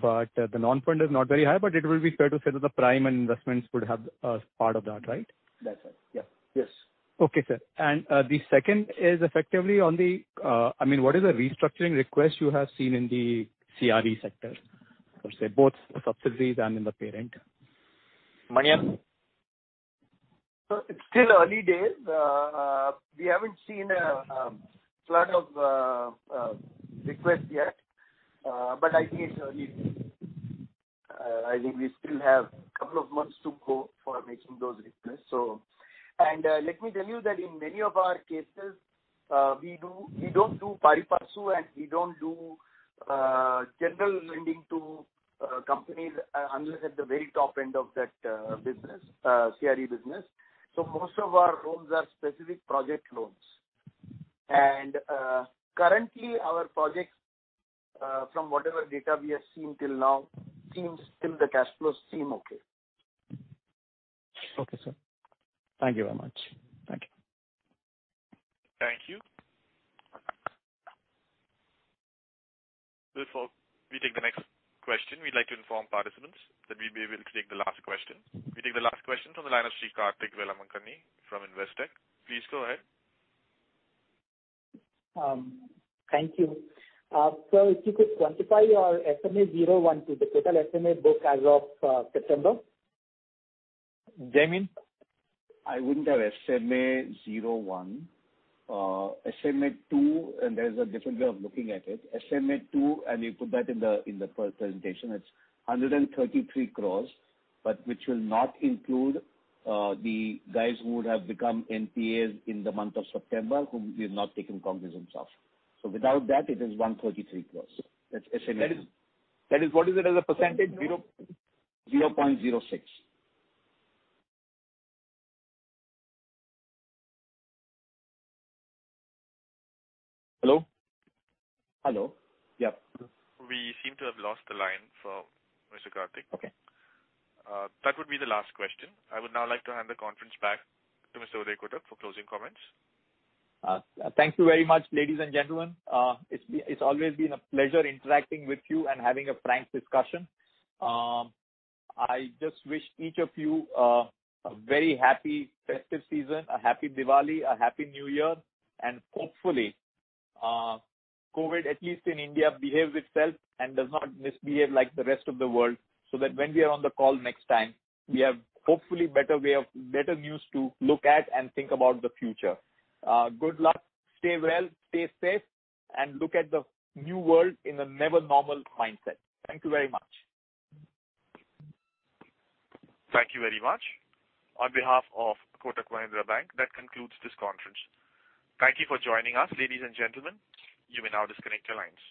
But, the non-fund is not very high, but it will be fair to say that the prime investments would have, part of that, right? That's right. Yeah. Yes. Okay, sir. And, the second is effectively on the, I mean, what is the restructuring request you have seen in the CRE sector, or, say, both the subsidiaries and in the parent? Manian? So it's still early days. We haven't seen a flood of requests yet, but I think it's early. I think we still have a couple of months to go for making those requests. So... And, let me tell you that in many of our cases, we do, we don't do pari passu, and we don't do general lending to companies, unless at the very top end of that business, CRE business. So most of our loans are specific project loans. And, currently, our projects, from whatever data we have seen till now, seems, still the cash flows seem okay. Okay, sir. Thank you very much. Thank you. Thank you. Before we take the next question, we'd like to inform participants that we will be taking the last question. We take the last question from the line of Srikarthik Velamakanni from Investec. Please go ahead. Thank you. Sir, if you could quantify your SMA zero one to the total SMA book as of September? Jaimin? I wouldn't have SMA zero one. SMA two, and there's a different way of looking at it. SMA two, and we put that in the, in the first presentation, it's 133 crores, but which will not include the guys who would have become NPAs in the month of September, whom we have not taken cognizance of. So without that, it is 133 crores. That's SMA. That is, what is it as a percentage? 0.06%. Hello? Hello. Yep. We seem to have lost the line for Mr. Kartik. That would be the last question. I would now like to hand the conference back to Mr. Uday Kotak for closing comments. Thank you very much, ladies and gentlemen. It's always been a pleasure interacting with you and having a frank discussion. I just wish each of you a very happy festive season, a happy Diwali, a happy New Year, and hopefully, COVID, at least in India, behaves itself and does not misbehave like the rest of the world, so that when we are on the call next time, we have hopefully better news to look at and think about the future. Good luck. Stay well, stay safe, and look at the new world in a new normal mindset. Thank you very much. Thank you very much. On behalf of Kotak Mahindra Bank, that concludes this conference. Thank you for joining us, ladies and gentlemen. You may now disconnect your lines.